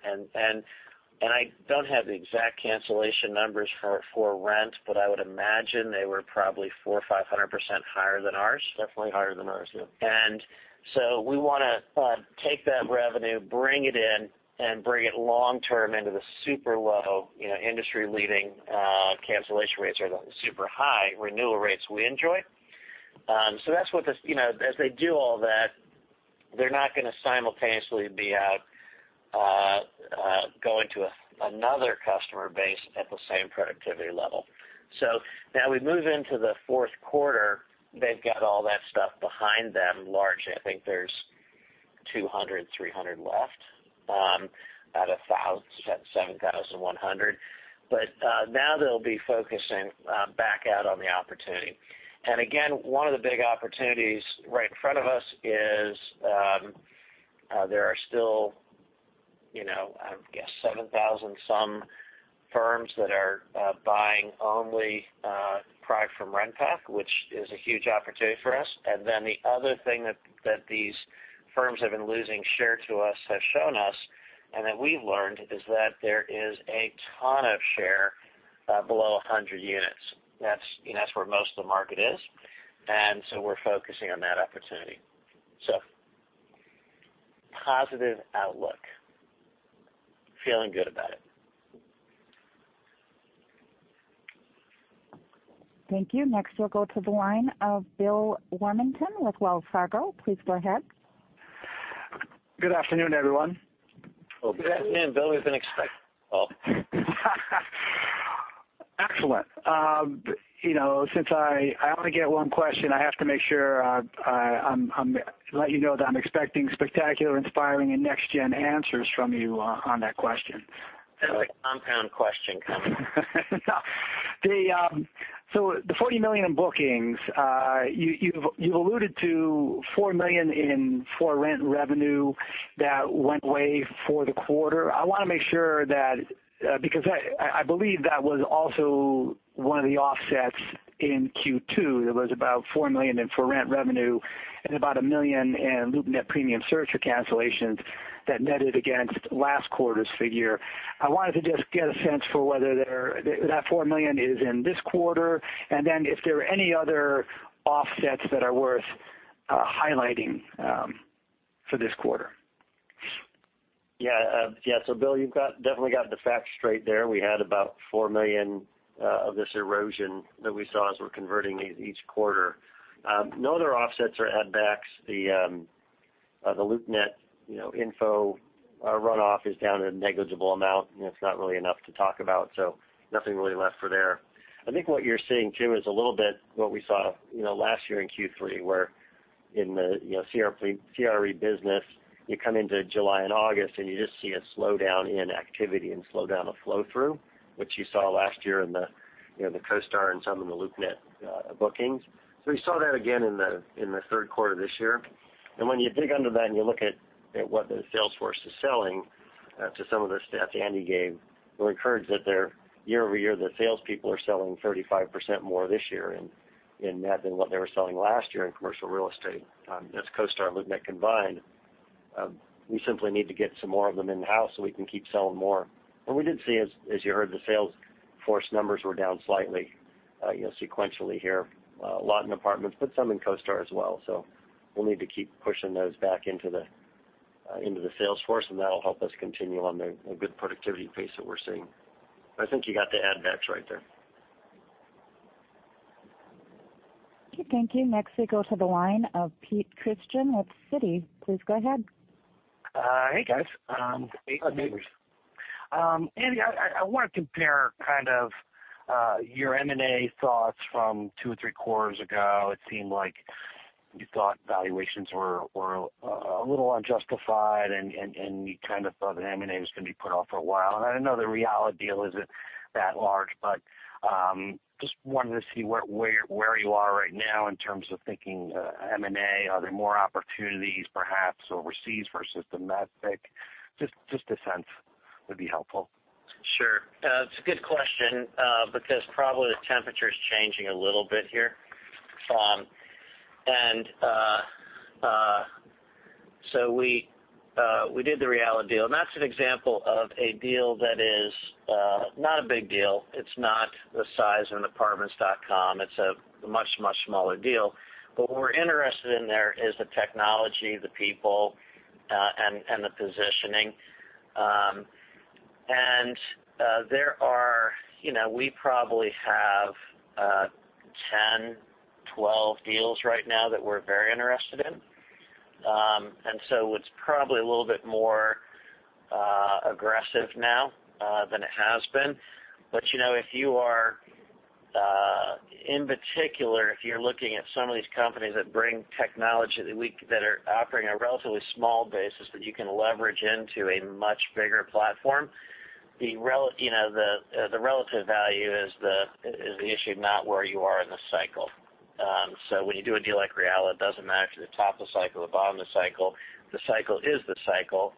I don't have the exact cancellation numbers for ForRent.com, but I would imagine they were probably 400% or 500% higher than ours. Definitely higher than ours, yeah. We want to take that revenue, bring it in, and bring it long-term into the super low, industry-leading cancellation rates or the super high renewal rates we enjoy. As they do all that, they're not going to simultaneously be going to another customer base at the same productivity level. Now we move into the fourth quarter. They've got all that stuff behind them, largely. I think there's 200, 300 left out of 7,100. Now they'll be focusing back out on the opportunity. Again, one of the big opportunities right in front of us is there are still, I would guess, 7,000 some firms that are buying only product from RentPath, which is a huge opportunity for us. The other thing that these firms have been losing share to us has shown us, and that we've learned, is that there is a ton of share below 100 units. That's where most of the market is, we're focusing on that opportunity. Positive outlook, feeling good about it. Thank you. Next, we'll go to the line of Bill Warmington with Wells Fargo. Please go ahead. Good afternoon, everyone. Well, good afternoon, Bill. Oh. Excellent. Since I only get one question, I have to make sure I let you know that I'm expecting spectacular, inspiring, and next-gen answers from you on that question. Sounds like a compound question coming. The $40 million in bookings, you've alluded to $4 million in for-rent revenue that went away for the quarter. I want to make sure that Because I believe that was also one of the offsets in Q2. There was about $4 million in for-rent revenue and about $1 million in LoopNet Premium search or cancellations that netted against last quarter's figure. I wanted to just get a sense for whether that $4 million is in this quarter, and then if there are any other offsets that are worth highlighting for this quarter. Bill, you've definitely got the facts straight there. We had about $4 million of this erosion that we saw as we're converting each quarter. No other offsets or add backs. The LoopNet info runoff is down to a negligible amount, and it's not really enough to talk about, nothing really left for there. I think what you're seeing, too, is a little bit what we saw last year in Q3 where in the CRE business, you come into July and August, and you just see a slowdown in activity and slowdown of flow-through, which you saw last year in the CoStar and some of the LoopNet bookings. We saw that again in the third quarter of this year. When you dig under that and you look at what the sales force is selling to some of the stats Andy gave, we're encouraged that year-over-year, the salespeople are selling 35% more this year in net than what they were selling last year in commercial real estate. That's CoStar and LoopNet combined. We simply need to get some more of them in-house so we can keep selling more. We did see, as you heard, the sales force numbers were down slightly sequentially here. A lot in apartments, but some in CoStar as well. We'll need to keep pushing those back into the sales force, and that'll help us continue on the good productivity pace that we're seeing. I think you got the add backs right there. Okay, thank you. We go to the line of Peter Christiansen with Citi. Please go ahead. Hey, guys. Hey, neighbors. Andy, I want to compare kind of your M&A thoughts from two or three quarters ago. It seemed like you thought valuations were a little unjustified, and you kind of thought that M&A was going to be put off for a while. I know the Realla deal isn't that large, but just wanted to see where you are right now in terms of thinking M&A. Are there more opportunities perhaps overseas versus domestic? Just a sense would be helpful. Sure. It's a good question because probably the temperature's changing a little bit here. We did the Realla deal, and that's an example of a deal that is not a big deal. It's not the size of an Apartments.com. It's a much smaller deal. What we're interested in there is the technology, the people, and the positioning. We probably have 10, 12 deals right now that we're very interested in. It's probably a little bit more aggressive now than it has been. In particular, if you're looking at some of these companies that bring technology that are operating on a relatively small basis that you can leverage into a much bigger platform, the relative value is the issue, not where you are in the cycle. When you do a deal like Realla, it doesn't matter if you're at the top of the cycle or bottom of the cycle. The cycle is the cycle.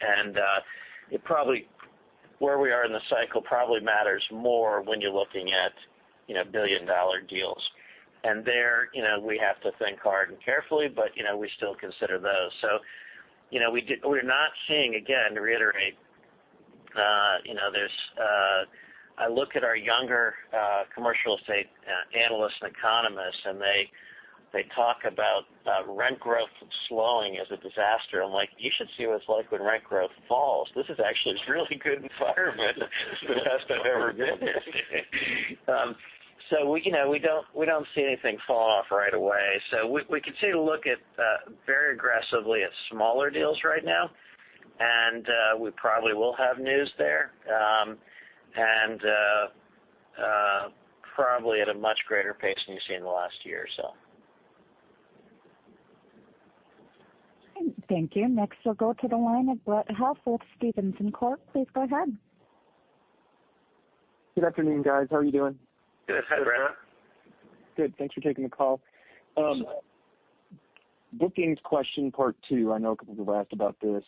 Where we are in the cycle probably matters more when you're looking at billion-dollar deals. There, we have to think hard and carefully, but we still consider those. We're not seeing, again, to reiterate, I look at our younger commercial real estate analysts and economists, and they talk about rent growth slowing as a disaster. I'm like, "You should see what it's like when rent growth falls." This is actually a really good environment. The best I've ever been. We don't see anything fall off right away. We continue to look very aggressively at smaller deals right now, and we probably will have news there. Probably at a much greater pace than you've seen in the last year or so. Thank you. Next, we'll go to the line of Brett Huff with Stephens Inc. Please go ahead. Good afternoon, guys. How are you doing? Good. How are you, Brett? Good. Thanks for taking the call. Bookings question part two. I know a couple people asked about this.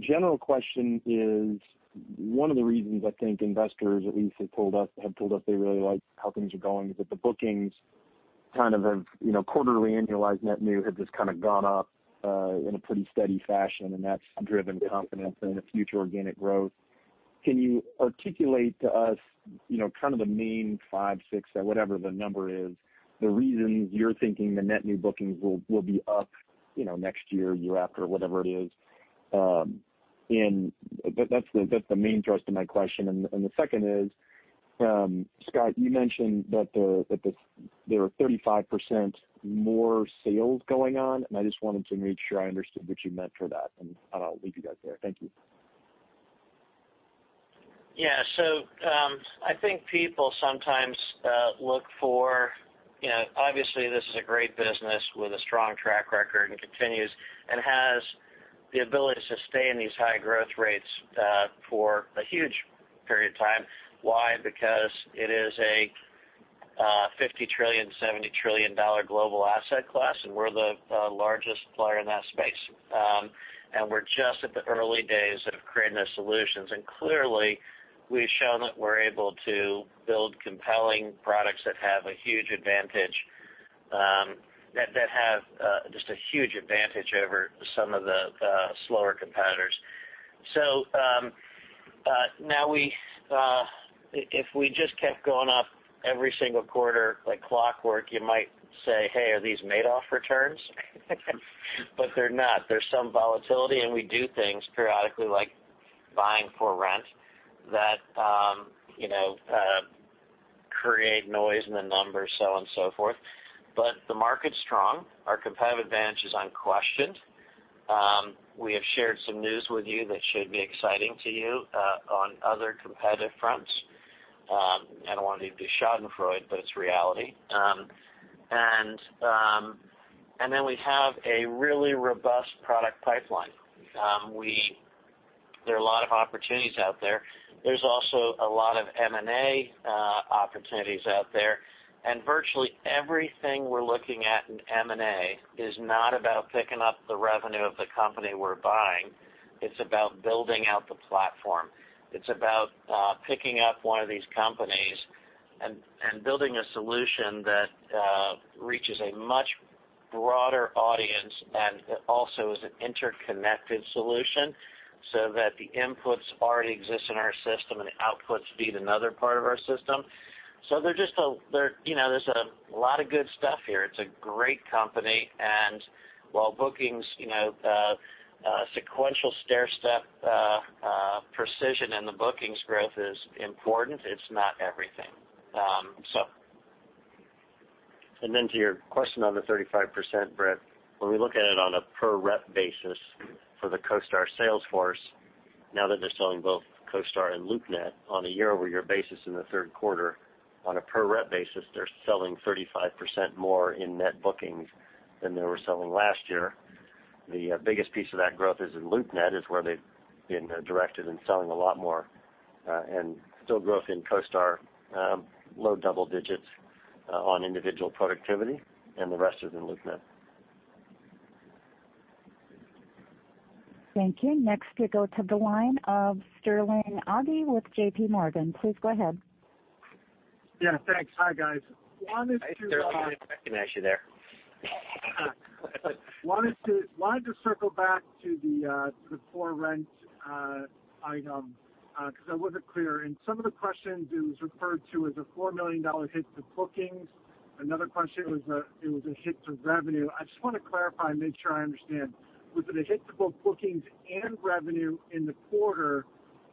General question is, one of the reasons I think investors, at least have pulled up, they really like how things are going, is that the bookings kind of have quarterly annualized net new just kind of gone up, in a pretty steady fashion, and that's driven confidence in the future organic growth. Can you articulate to us, kind of the main five, six, seven, whatever the number is, the reasons you're thinking the net new bookings will be up next year after, whatever it is. That's the main thrust of my question. The second is, Scott, you mentioned that there are 35% more sales going on, and I just wanted to make sure I understood what you meant for that, and I'll leave you guys there. Thank you. Yeah. I think people sometimes look for obviously this is a great business with a strong track record and continues has the ability to sustain these high growth rates for a huge period of time. Why? Because it is a $50 trillion, $70 trillion global asset class, and we're the largest player in that space. We're just at the early days of creating those solutions. Clearly we've shown that we're able to build compelling products that have a huge advantage over some of the slower competitors. Now if we just kept going up every single quarter like clockwork, you might say, "Hey, are these Madoff returns?" They're not. There's some volatility, and we do things periodically like buying ForRent that create noise in the numbers, so on and so forth. The market's strong. Our competitive advantage is unquestioned. We have shared some news with you that should be exciting to you on other competitive fronts. I don't want to be schadenfreude, but it's reality. We have a really robust product pipeline. There are a lot of opportunities out there. There's also a lot of M&A opportunities out there, Virtually everything we're looking at in M&A is not about picking up the revenue of the company we're buying. It's about building out the platform. It's about picking up one of these companies and building a solution that reaches a much broader audience and also is an interconnected solution so that the inputs already exist in our system and the outputs feed another part of our system. There's a lot of good stuff here. It's a great company, and while bookings, sequential stairstep precision in the bookings growth is important, it's not everything. To your question on the 35%, Brett, when we look at it on a per rep basis for the CoStar sales force, now that they're selling both CoStar and LoopNet on a year-over-year basis in the third quarter, on a per rep basis, they're selling 35% more in net bookings than they were selling last year. The biggest piece of that growth is in LoopNet, is where they've been directed and selling a lot more, and still growth in CoStar, low double digits on individual productivity, and the rest is in LoopNet. Thank you. Next, we go to the line of Sterling Auty with JPMorgan. Please go ahead. Yeah, thanks. Hi, guys. Hi, Sterling. Didn't recognize you there. Wanted to circle back to the ForRent.com item, because I wasn't clear. In some of the questions, it was referred to as a $4 million hit to bookings. Another question, it was a hit to revenue. I just want to clarify and make sure I understand. Was it a hit to both bookings and revenue in the quarter?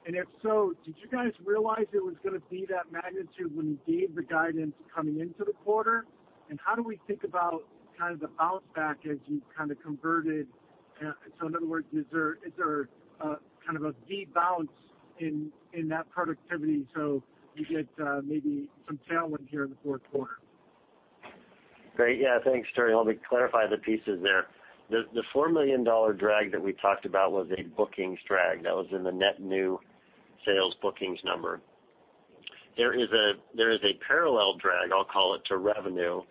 If so, did you guys realize it was going to be that magnitude when you gave the guidance coming into the quarter? How do we think about kind of the bounce back as you kind of converted? In other words, is there kind of a de-bounce in that productivity so you get maybe some tailwind here in the fourth quarter? Great. Thanks, Sterling. Let me clarify the pieces there. The $4 million drag that we talked about was a bookings drag. That was in the net new sales bookings number. There is a parallel drag, I'll call it, to revenue.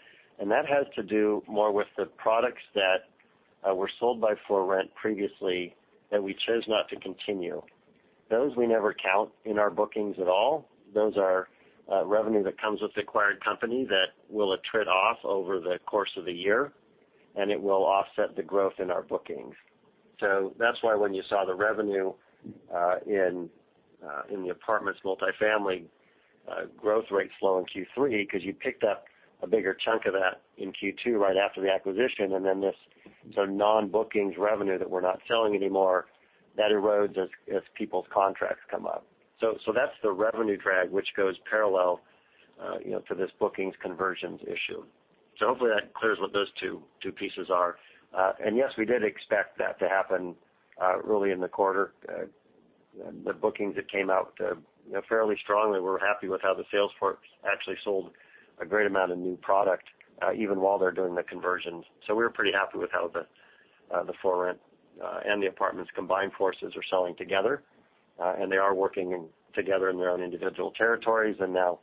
That has to do more with the products that were sold by ForRent.com previously that we chose not to continue. Those we never count in our bookings at all. Those are revenue that comes with acquired company that will attrit off over the course of the year. It will offset the growth in our bookings. That's why when you saw the revenue in the apartments, multifamily growth rate slow in Q3, because you picked up a bigger chunk of that in Q2 right after the acquisition. Then this sort of non-bookings revenue that we're not selling anymore, that erodes as people's contracts come up. That's the revenue drag which goes parallel to this bookings conversions issue. Hopefully that clears what those two pieces are. Yes, we did expect that to happen early in the quarter. The bookings that came out fairly strongly. We're happy with how the sales force actually sold a great amount of new product, even while they're doing the conversions. We were pretty happy with how the ForRent.com and the Apartments combined forces are selling together. They are working together in their own individual territories, and now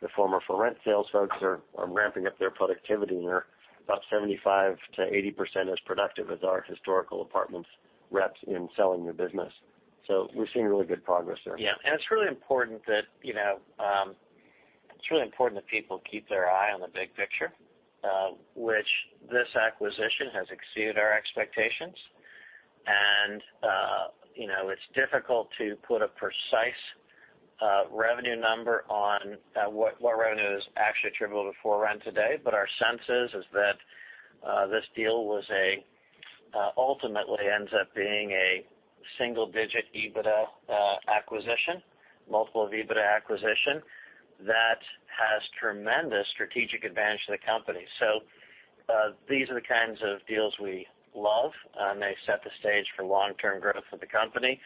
the former ForRent.com sales folks are ramping up their productivity, and they're about 75%-80% as productive as our historical Apartments reps in selling the business. We've seen really good progress there. Yeah. It's really important that people keep their eye on the big picture, which this acquisition has exceeded our expectations. It's difficult to put a precise revenue number on what revenue is actually attributable to ForRent.com today. Our sense is that this deal ultimately ends up being a single-digit EBITDA acquisition, multiple-EBITDA acquisition that has tremendous strategic advantage to the company. These are the kinds of deals we love, and they set the stage for long-term growth of the company.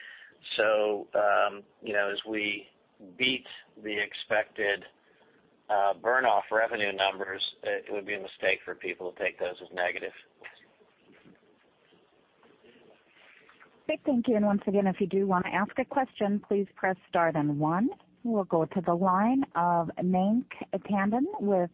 As we beat the expected burn-off revenue numbers, it would be a mistake for people to take those as negative. Okay. Thank you. Once again, if you do want to ask a question, please press star then one. We'll go to the line of Mayank Tandon with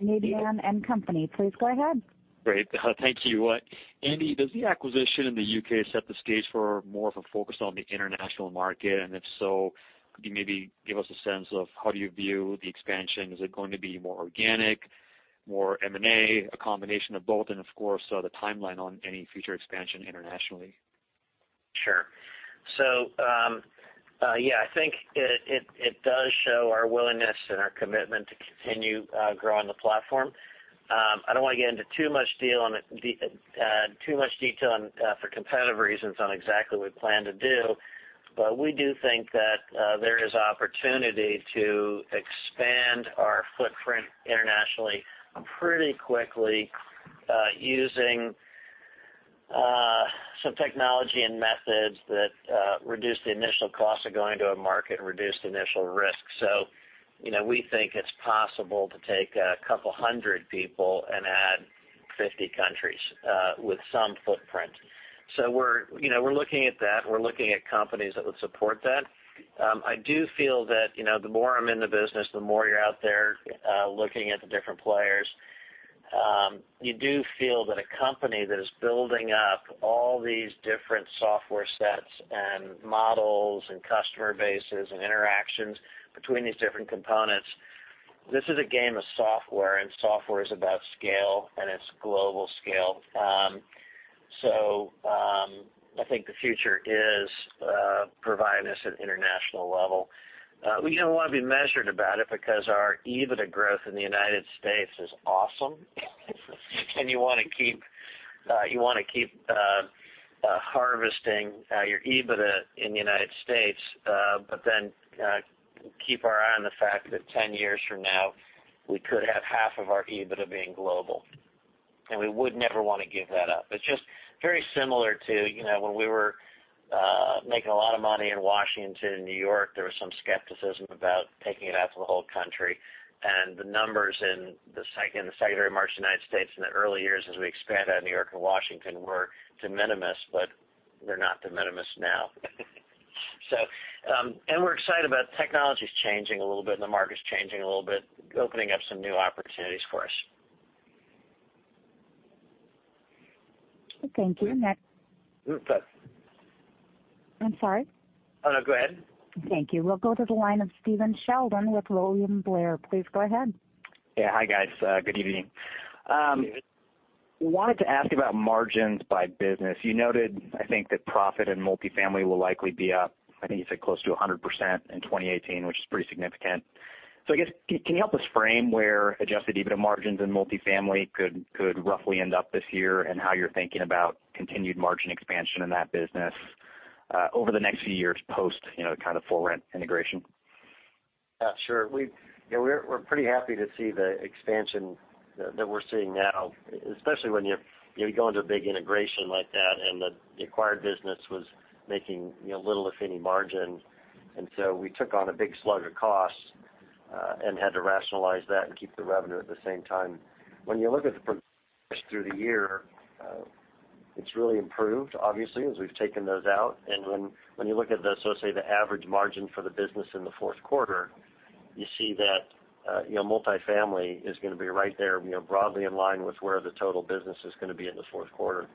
Needham & Company. Please go ahead. Great. Thank you. Andy, does the acquisition in the U.K. set the stage for more of a focus on the international market? If so, could you maybe give us a sense of how do you view the expansion? Is it going to be more organic, more M&A, a combination of both? Of course, the timeline on any future expansion internationally? Sure. Yeah, I think it does show our willingness and our commitment to continue growing the platform. I don't want to get into too much detail for competitive reasons on exactly what we plan to do. We do think that there is opportunity to expand our footprint internationally pretty quickly, using some technology and methods that reduce the initial cost of going to a market, reduce the initial risk. We think it's possible to take a couple hundred people and add 50 countries with some footprint. We're looking at that, and we're looking at companies that would support that. I do feel that, the more I'm in the business, the more you're out there looking at the different players, you do feel that a company that is building up all these different software sets and models and customer bases and interactions between these different components, this is a game of software, and software is about scale, and it's global scale. I think the future is providing us at international level. We don't want to be measured about it because our EBITDA growth in the United States is awesome. You want to keep harvesting your EBITDA in the United States, but then keep our eye on the fact that 10 years from now, we could have half of our EBITDA being global. We would never want to give that up. It's just very similar to when we were making a lot of money in Washington, New York, there was some skepticism about taking it out to the whole country, and the numbers in the secondary markets in the United States in the early years as we expanded out of New York and Washington were de minimis, but they're not de minimis now. We're excited about technology's changing a little bit, and the market's changing a little bit, opening up some new opportunities for us. Thank you. Next. Whoops. I'm sorry? Oh, no, go ahead. Thank you. We'll go to the line of Stephen Sheldon with William Blair. Please go ahead. Yeah. Hi, guys. Good evening. Evening. Wanted to ask about margins by business. You noted, I think, that profit in multifamily will likely be up, I think you said close to 100% in 2018, which is pretty significant. I guess, can you help us frame where adjusted EBITDA margins in multifamily could roughly end up this year, and how you're thinking about continued margin expansion in that business over the next few years post ForRent.com integration? Yeah, sure. We're pretty happy to see the expansion that we're seeing now, especially when you go into a big integration like that, and the acquired business was making little, if any, margin. We took on a big slug of costs, and had to rationalize that and keep the revenue at the same time. When you look at the through the year, it's really improved, obviously, as we've taken those out. When you look at the, so say the average margin for the business in the fourth quarter, you see that multifamily is going to be right there, broadly in line with where the total business is going to be in the fourth quarter.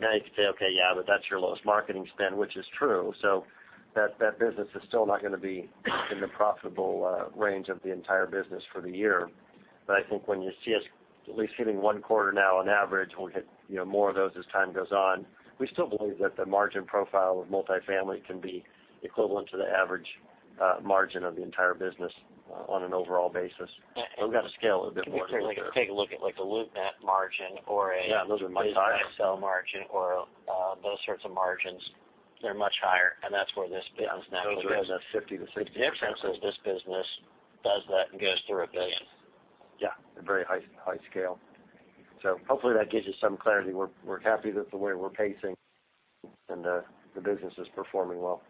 You could say, okay, yeah, but that's your lowest marketing spend, which is true. That business is still not going to be in the profitable range of the entire business for the year. I think when you see us at least hitting one quarter now on average, we'll hit more of those as time goes on. We still believe that the margin profile of multifamily can be equivalent to the average margin of the entire business on an overall basis. We've got to scale a bit more to get there. If you take a look at like a LoopNet margin or a- Yeah, those are much higher. sell margin or those sorts of margins, they're much higher, and that's where this business naturally goes. Those are 50%-60%. The difference is this business does that and goes through $1 billion. Yeah. A very high scale. Hopefully that gives you some clarity. We're happy with the way we're pacing, and the business is performing well.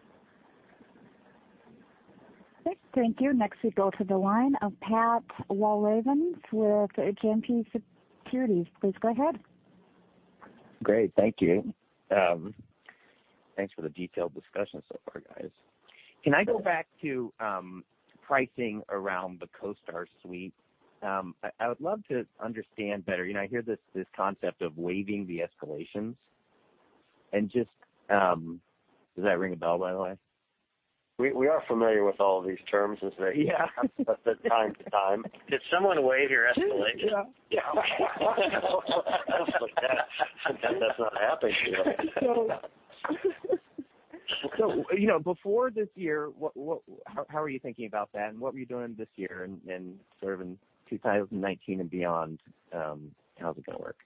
Okay, thank you. Next, we go to the line of Patrick Walravens with JMP Securities. Please go ahead. Great. Thank you. Thanks for the detailed discussion so far, guys. Can I go back to pricing around the CoStar Suite? I would love to understand better. I hear this concept of waiving the escalations. Does that ring a bell, by the way? We are familiar with all of these terms and phrases. Yeah -at time to time. Did someone waive your escalation? Yeah. Yeah. Sounds like that's not happening. Before this year, how are you thinking about that, and what were you doing this year and sort of in 2019 and beyond? How's it going to work?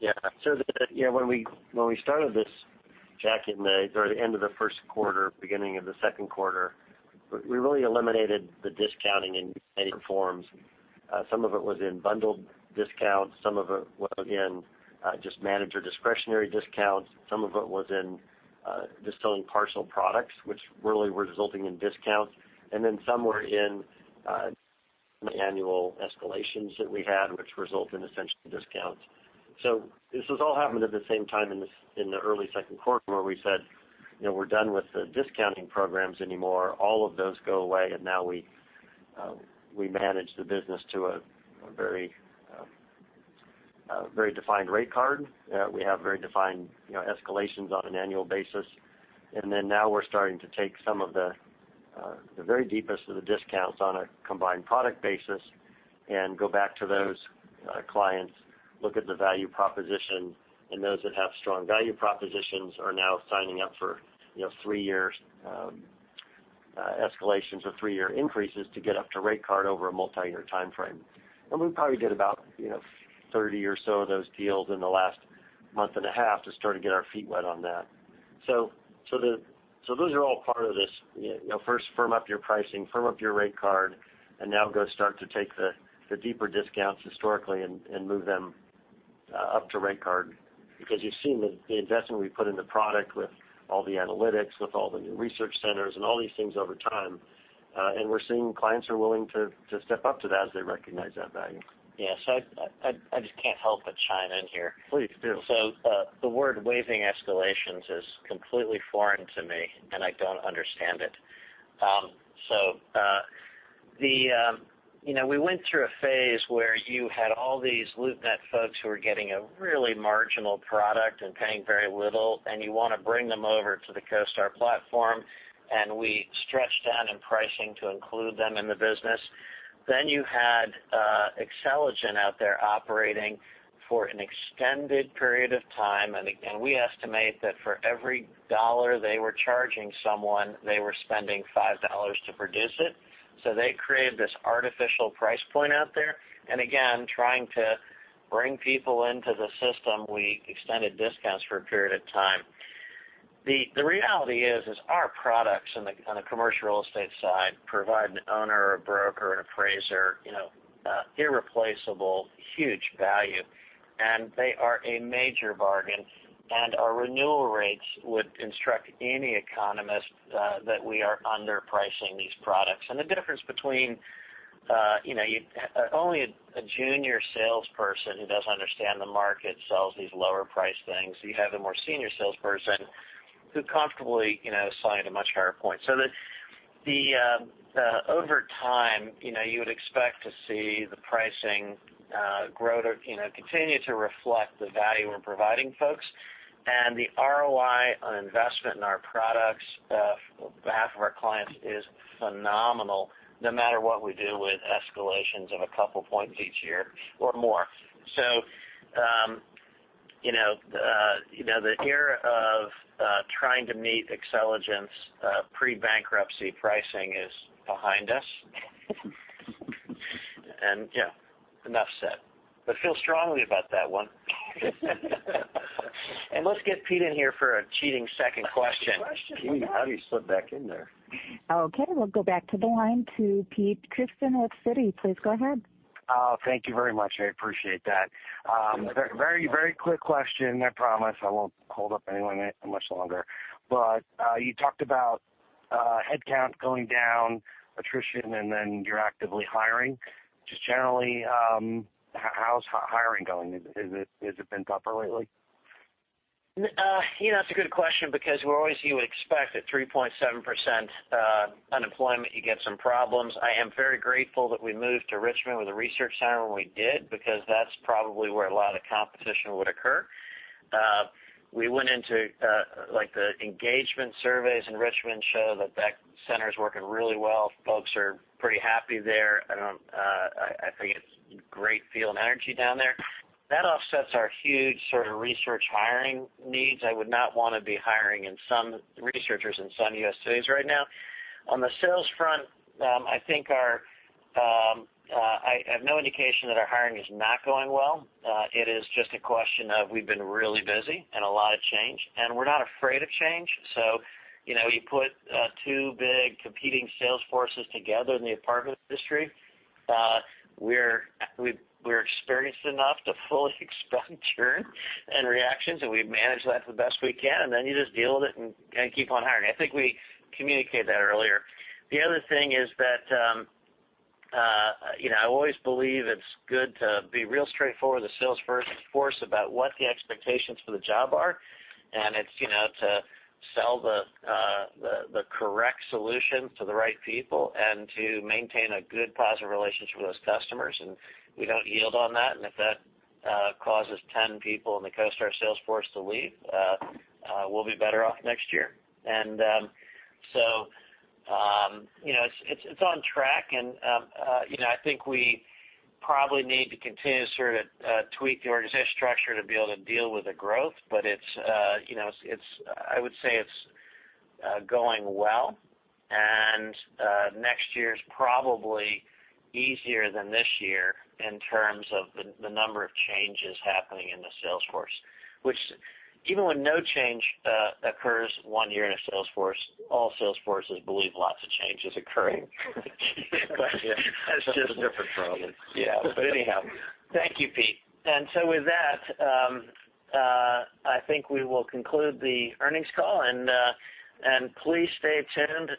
When we started this, Jack, in the end of the first quarter, beginning of the second quarter, we really eliminated the discounting in many forms. Some of it was in bundled discounts, some of it was in just manager discretionary discounts. Some of it was in just selling partial products, which really were resulting in discounts. Some were in the annual escalations that we had, which result in essential discounts. This has all happened at the same time in the early second quarter, where we said, "We're done with the discounting programs anymore." All of those go away, and now we manage the business to a very defined rate card. We have very defined escalations on an annual basis. Now we're starting to take some of the very deepest of the discounts on a combined product basis and go back to those clients, look at the value proposition, and those that have strong value propositions are now signing up for three years escalations or three-year increases to get up to rate card over a multi-year timeframe. We probably did about 30 or so of those deals in the last month and a half to start to get our feet wet on that. Those are all part of this first firm up your pricing, firm up your rate card, and now go start to take the deeper discounts historically and move them up to rate card. You've seen the investment we put in the product with all the analytics, with all the new research centers and all these things over time. We're seeing clients are willing to step up to that as they recognize that value. Yeah. I just can't help but chime in here. Please do. The word waiving escalations is completely foreign to me, and I don't understand it. We went through a phase where you had all these LoopNet folks who were getting a really marginal product and paying very little, and you want to bring them over to the CoStar platform, and we stretched down in pricing to include them in the business. You had Xceligent out there operating for an extended period of time. Again, we estimate that for every dollar they were charging someone, they were spending $5 to produce it. They created this artificial price point out there. Again, trying to bring people into the system, we extended discounts for a period of time. The reality is our products on the commercial real estate side provide an owner, a broker, an appraiser irreplaceable, huge value, and they are a major bargain. Our renewal rates would instruct any economist that we are underpricing these products. Only a junior salesperson who doesn't understand the market sells these lower-priced things. You have the more senior salesperson who comfortably assigned a much higher point. Over time, you would expect to see the pricing continue to reflect the value we're providing folks. The ROI on investment in our products behalf of our clients is phenomenal, no matter what we do with escalations of a couple of points each year or more. The era of trying to meet Xceligent's pre-bankruptcy pricing is behind us. Yeah, enough said. Feel strongly about that one. Let's get Pete in here for a cheating second question. Second question. How do you slip back in there? Okay, we'll go back to the line to Peter Christiansen with Citi. Please go ahead. Thank you very much. I appreciate that. Very quick question. I promise I won't hold up anyone much longer. You talked about headcount going down, attrition, and then you're actively hiring. Just generally, how's hiring going? Has it been tougher lately? That's a good question because we're always, you would expect at 3.7% unemployment, you get some problems. I am very grateful that we moved to Richmond with a research center when we did, because that's probably where a lot of competition would occur. We went into the engagement surveys in Richmond show that that center is working really well. Folks are pretty happy there. I think it's great field energy down there. That offsets our huge sort of research hiring needs. I would not want to be hiring in some researchers in some U.S. cities right now. On the sales front, I have no indication that our hiring is not going well. It is just a question of we've been really busy and a lot of change. We're not afraid of change. You put two big competing sales forces together in the apartment industry. We're experienced enough to fully expect churn and reactions, and we manage that the best we can, and then you just deal with it and keep on hiring. I think we communicated that earlier. The other thing is that I always believe it's good to be real straightforward with the sales force about what the expectations for the job are, and it's to sell the correct solution to the right people and to maintain a good, positive relationship with those customers. We don't yield on that. If that causes 10 people in the CoStar sales force to leave, we'll be better off next year. It's on track, and I think we probably need to continue to sort of tweak the organization structure to be able to deal with the growth. I would say it's going well, and next year's probably easier than this year in terms of the number of changes happening in the sales force. Which even when no change occurs one year in a sales force, all sales forces believe lots of change is occurring. That's just different for all of us. Yeah. Anyhow, thank you, Pete. With that, I think we will conclude the earnings call. Please stay tuned.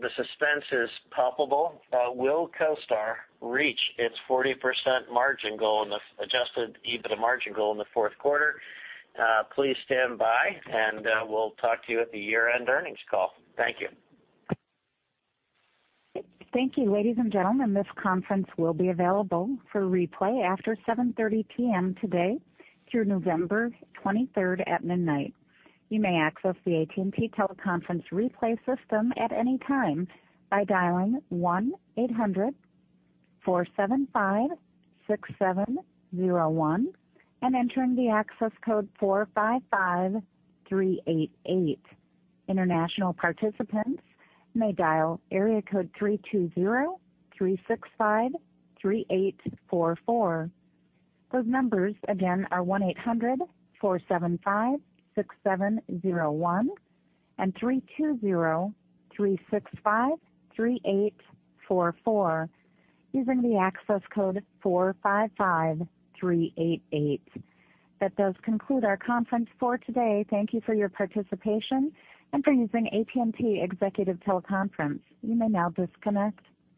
The suspense is palpable. Will CoStar reach its 40% margin goal in the adjusted EBITDA margin goal in the fourth quarter? Please stand by, and we'll talk to you at the year-end earnings call. Thank you. Thank you, ladies and gentlemen. This conference will be available for replay after 7:30 P.M. today through November 23rd at midnight. You may access the AT&T teleconference replay system at any time by dialing 1-800-475-6701 and entering the access code 455388. International participants may dial area code 320-365-3844. Those numbers again are 1-800-475-6701 and 320-365-3844 using the access code 455388. That does conclude our conference for today. Thank you for your participation and for using AT&T Executive Teleconference. You may now disconnect.